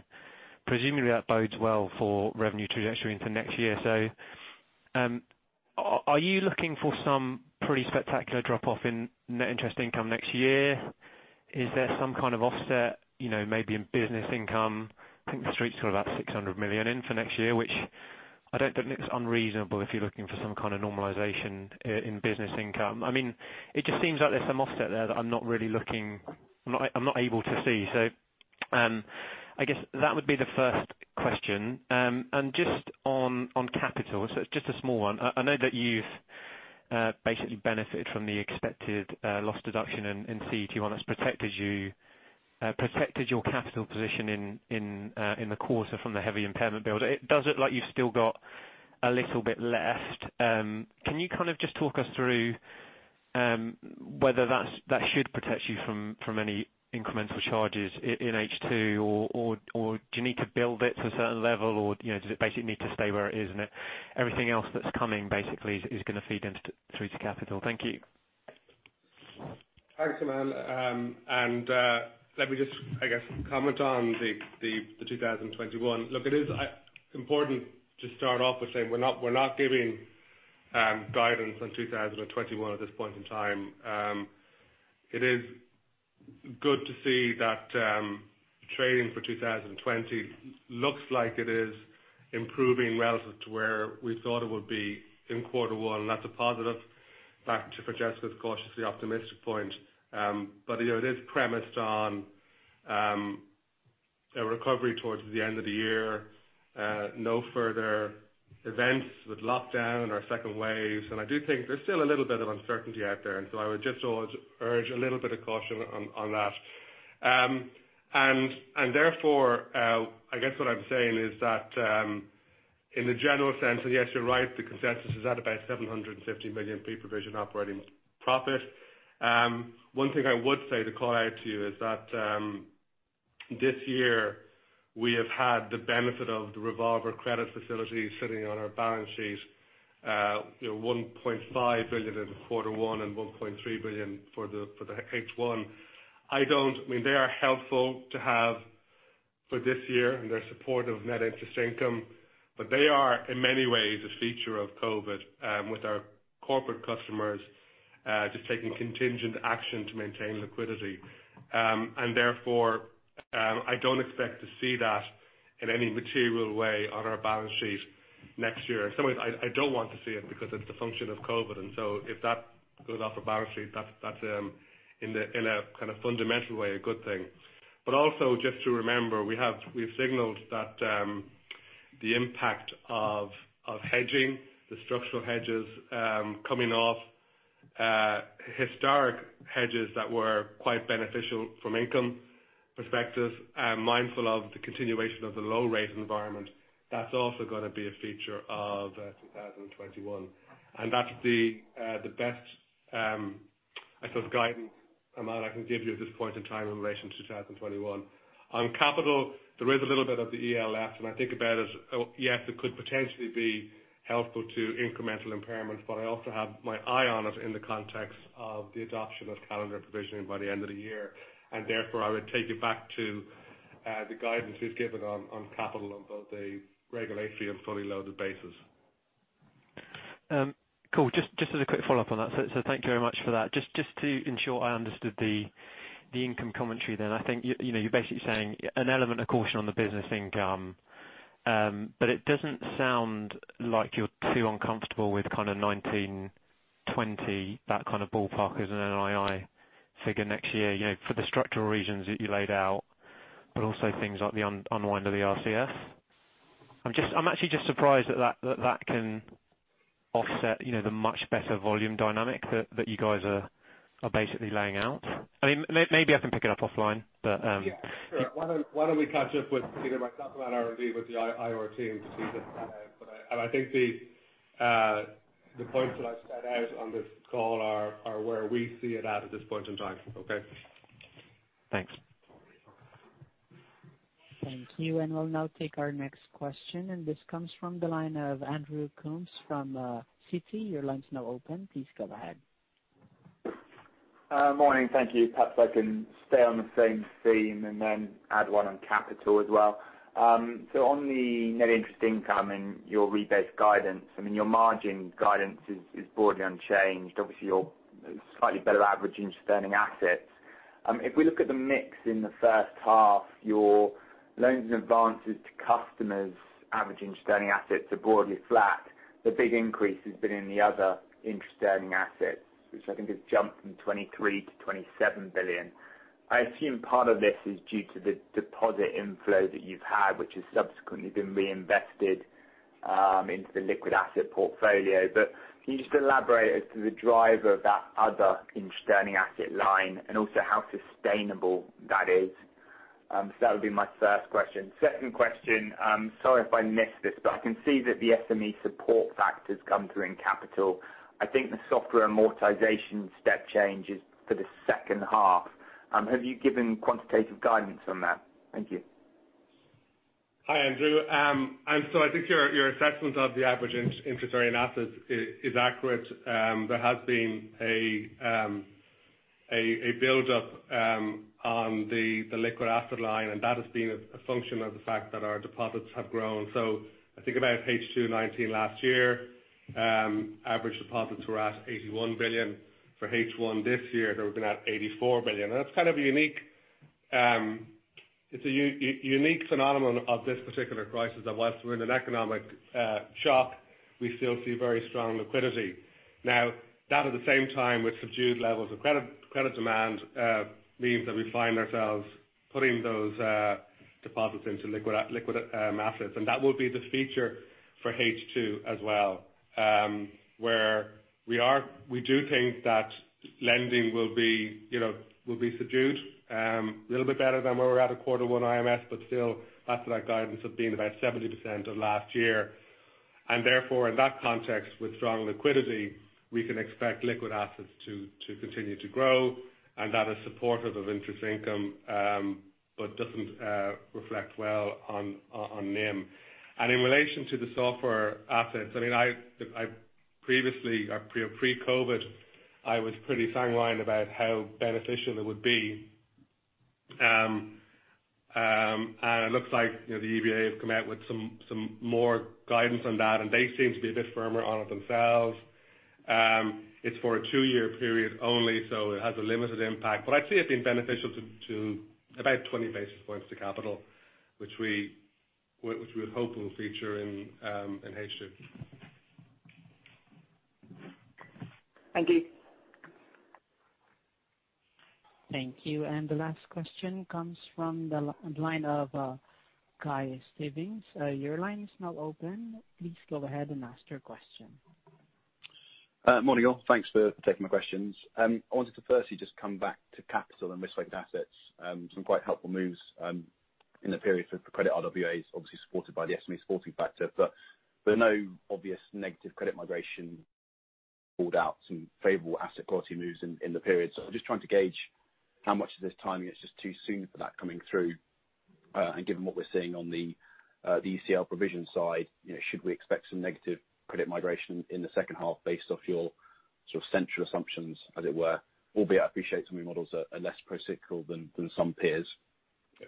Presumably, that bodes well for revenue trajectory into next year. Are you looking for some pretty spectacular drop off in net interest income next year? Is there some kind of offset, maybe in business income? I think the Street's got about 600 million in for next year, which I don't think is unreasonable if you're looking for some kind of normalization in business income. It just seems like there's some offset there that I'm not able to see. I guess that would be the first question. Just on capital, it's just a small one. I know that you've basically benefited from the expected loss deduction in CET1 that's protected your capital position in the quarter from the heavy impairment build. It does look like you've still got a little bit left. Can you just talk us through whether that should protect you from any incremental charges in H2, or do you need to build it to a certain level, or does it basically need to stay where it is, and everything else that's coming basically is going to feed through to capital? Thank you.
Thanks, Aman. Let me just, I guess, comment on the 2021. Look, it is important to start off with saying we're not giving guidance on 2021 at this point in time. It is good to see that trading for 2020 looks like it is improving relative to where we thought it would be in quarter one, and that's a positive. Back to Francesca's cautiously optimistic point. It is premised on a recovery towards the end of the year. No further events with lockdown or second waves. I do think there's still a little bit of uncertainty out there, and so I would just urge a little bit of caution on that. Therefore, I guess what I'm saying is that, in the general sense, yes, you're right, the consensus is at about 750 million pre-provision operating profit. One thing I would say to call out to you is that this year we have had the benefit of the revolver credit facility sitting on our balance sheet. 1.5 billion in quarter one and 1.3 billion for the H1. They are helpful to have for this year, they're supportive of net interest income. They are, in many ways, a feature of COVID, with our corporate customers just taking contingent action to maintain liquidity. Therefore, I don't expect to see that in any material way on our balance sheet next year. In some ways I don't want to see it because it's a function of COVID. If that goes off our balance sheet, that's, in a kind of fundamental way, a good thing. Also, just to remember, we've signaled that the impact of hedging, the structural hedges coming off historic hedges that were quite beneficial from income perspective, mindful of the continuation of the low rate environment, that's also going to be a feature of 2021. That's the best guidance, Aman, I can give you at this point in time in relation to 2021. On capital, there is a little bit of the ELS, and I think about it as, yes, it could potentially be helpful to incremental impairments, but I also have my eye on it in the context of the adoption of calendar provisioning by the end of the year. Therefore, I would take you back to the guidance we've given on capital on both a regulatory and fully loaded basis.
Cool. Just as a quick follow-up on that. Thank you very much for that. Just to ensure I understood the income commentary then. I think you're basically saying an element of caution on the business income. It doesn't sound like you're too uncomfortable with kind of 1.9, 20, that kind of ballpark as an NII figure next year for the structural reasons that you laid out. Also things like the unwind of the RCF. I'm actually just surprised that can offset the much better volume dynamic that you guys are basically laying out. Maybe I can pick it up offline.
Yeah, sure. Why don't we catch up with either myself or Matt with the IR team to tease this out? I think the points that I've set out on this call are where we see it at this point in time. Okay?
Thanks.
Thank you. We'll now take our next question. This comes from the line of Andrew Coombs from Citi. Your line's now open. Please go ahead.
Morning. Thank you. Perhaps I can stay on the same theme and then add one on capital as well. On the net interest income and your rebased guidance, your margin guidance is broadly unchanged. Obviously, your slightly better average interest earning assets. If we look at the mix in the first half, your loans and advances to customers' average interest earning assets are broadly flat. The big increase has been in the other interest earning assets, which I think has jumped from 23-27 billion. I assume part of this is due to the deposit inflow that you've had, which has subsequently been reinvested into the liquid asset portfolio. Can you just elaborate as to the driver of that other interest earning asset line and also how sustainable that is? That would be my first question. Second question, sorry if I missed this, I can see that the SME support factor has come through in capital. I think the software amortization step change is for the second half. Have you given quantitative guidance on that? Thank you.
Hi, Andrew. I think your assessment of the average interest earning assets is accurate. There has been a build up on the liquid asset line, that has been a function of the fact that our deposits have grown. I think about H2 2019 last year, average deposits were at 81 billion. For H1 this year, they've been at 84 billion. It's a unique phenomenon of this particular crisis that whilst we're in an economic shock, we still see very strong liquidity. Now, that at the same time with subdued levels of credit demand, means that we find ourselves putting those deposits into liquid assets. That will be the feature for H2 as well, where we do think that lending will be subdued, little bit better than where we're at at Q1 IMS, but still up to that guidance of being about 70% of last year. Therefore, in that context, with strong liquidity, we can expect liquid assets to continue to grow, and that is supportive of interest income, but doesn't reflect well on NIM. In relation to the software assets, pre-COVID, I was pretty sanguine about how beneficial it would be. It looks like the EBA have come out with some more guidance on that, and they seem to be a bit firmer on it themselves. It's for a two-year period only, so it has a limited impact. I'd say it's been beneficial to about 20 basis points to capital, which we hope will feature in H2.
Thank you.
Thank you. The last question comes from the line of Guy Stebbings. Your line is now open. Please go ahead and ask your question.
Morning, y'all. Thanks for taking my questions. I wanted to firstly just come back to capital and risk-weighted assets. Some quite helpful moves in the period for credit RWAs, obviously supported by the SME support factor. There are no obvious negative credit migration pulled out, some favorable asset quality moves in the period. I'm just trying to gauge how much of this timing is just too soon for that coming through, and given what we're seeing on the ECL provision side, should we expect some negative credit migration in the second half based off your sort of central assumptions, as it were? Albeit, I appreciate some of your models are less pro-cyclical than some peers.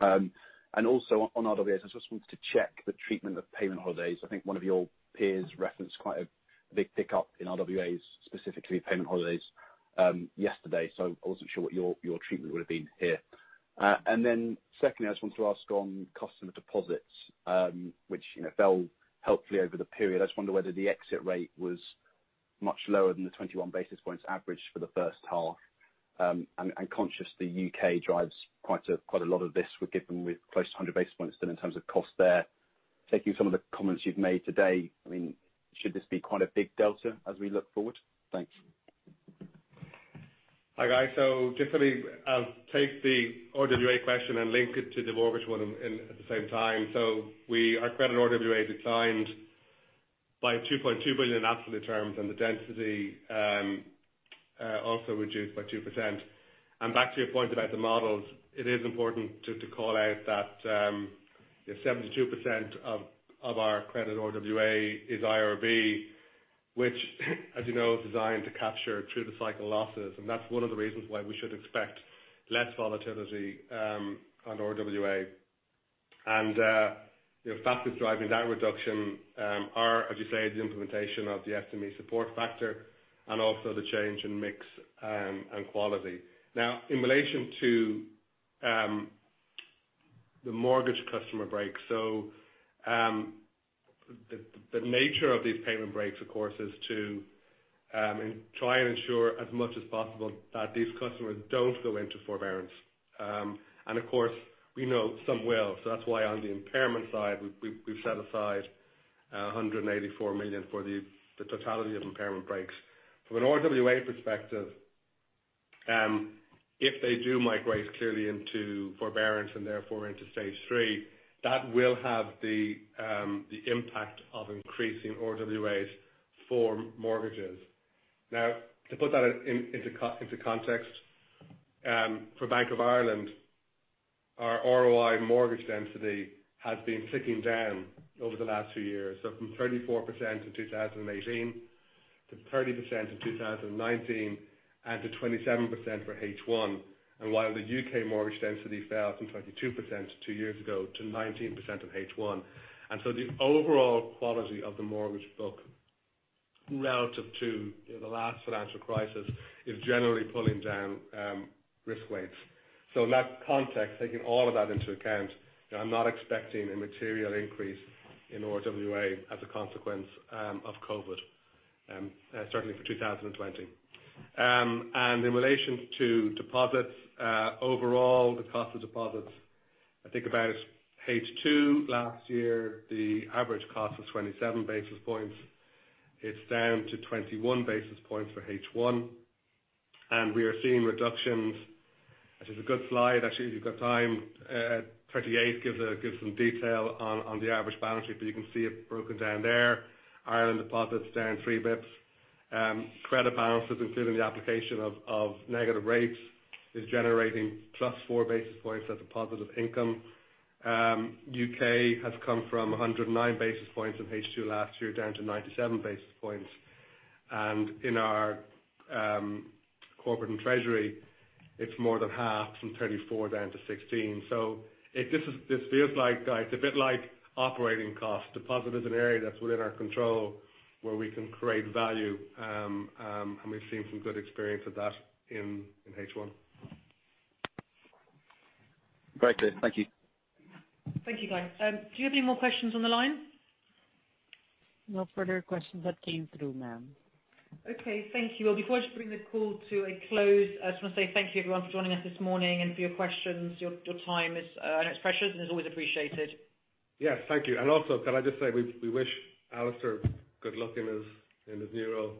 Also on RWAs, I just wanted to check the treatment of payment holidays. I think one of your peers referenced quite a big pickup in RWAs, specifically payment holidays, yesterday. I wasn't sure what your treatment would've been here. Secondly, I just wanted to ask on customer deposits, which fell healthily over the period. I just wonder whether the exit rate was much lower than the 21 basis points average for the first half. Conscious the U.K. drives quite a lot of this, given we're close to 100 basis points still in terms of cost there. Taking some of the comments you've made today, should this be quite a big delta as we look forward? Thanks.
Hi, Guy. Just let me take the RWA question and link it to the mortgage one in at the same time. Our credit RWA declined by 2.2 billion in absolute terms, and the density also reduced by 2%. Back to your point about the models, it is important to call out that if 72% of our credit RWA is IRB, which as you know, is designed to capture through the cycle losses. That's one of the reasons why we should expect less volatility on RWA. Factors driving that reduction are, as you say, the implementation of the SME support factor and also the change in mix and quality. Now, in relation to the mortgage customer break. The nature of these payment breaks, of course, is to try and ensure as much as possible that these customers don't go into forbearance. Of course, we know some will. That's why on the impairment side, we've set aside 184 million for the totality of impairment breaks. From an RWA perspective, if they do migrate clearly into forbearance and therefore into stage three, that will have the impact of increasing RWAs for mortgages. To put that into context, for Bank of Ireland, our ROI mortgage density has been ticking down over the last two years. From 34% in 2018 to 30% in 2019, and to 27% for H1. While the U.K. mortgage density fell from 22% two years ago to 19% in H1. The overall quality of the mortgage book relative to the last financial crisis is generally pulling down risk weights. In that context, taking all of that into account, I'm not expecting a material increase in RWA as a consequence of COVID-19, certainly for 2020. In relation to deposits, overall, the cost of deposits, I think about H2 last year, the average cost was 27 basis points. It's down to 21 basis points for H1. We are seeing reductions, which is a good slide, actually, if you've got time, 38 gives some detail on the average balance sheet, but you can see it broken down there. Ireland deposits down three basis points. Credit balances, including the application of negative rates, is generating plus four basis points as a positive income. U.K. has come from 109 basis points in H2 last year down to 97 basis points. In our corporate and treasury, it's more than half, from 34 down to 16. This feels like, Guy, it's a bit like operating cost. Deposit is an area that's within our control where we can create value, and we've seen some good experience of that in H1.
Great. Thank you.
Thank you, Guy. Do you have any more questions on the line?
No further questions that came through, ma'am.
Okay. Thank you. Well, before I just bring the call to a close, I just want to say thank you everyone for joining us this morning and for your questions. Your time is, I know it's precious, and it's always appreciated.
Yes. Thank you. Also, can I just say we wish Alastair good luck in his new role.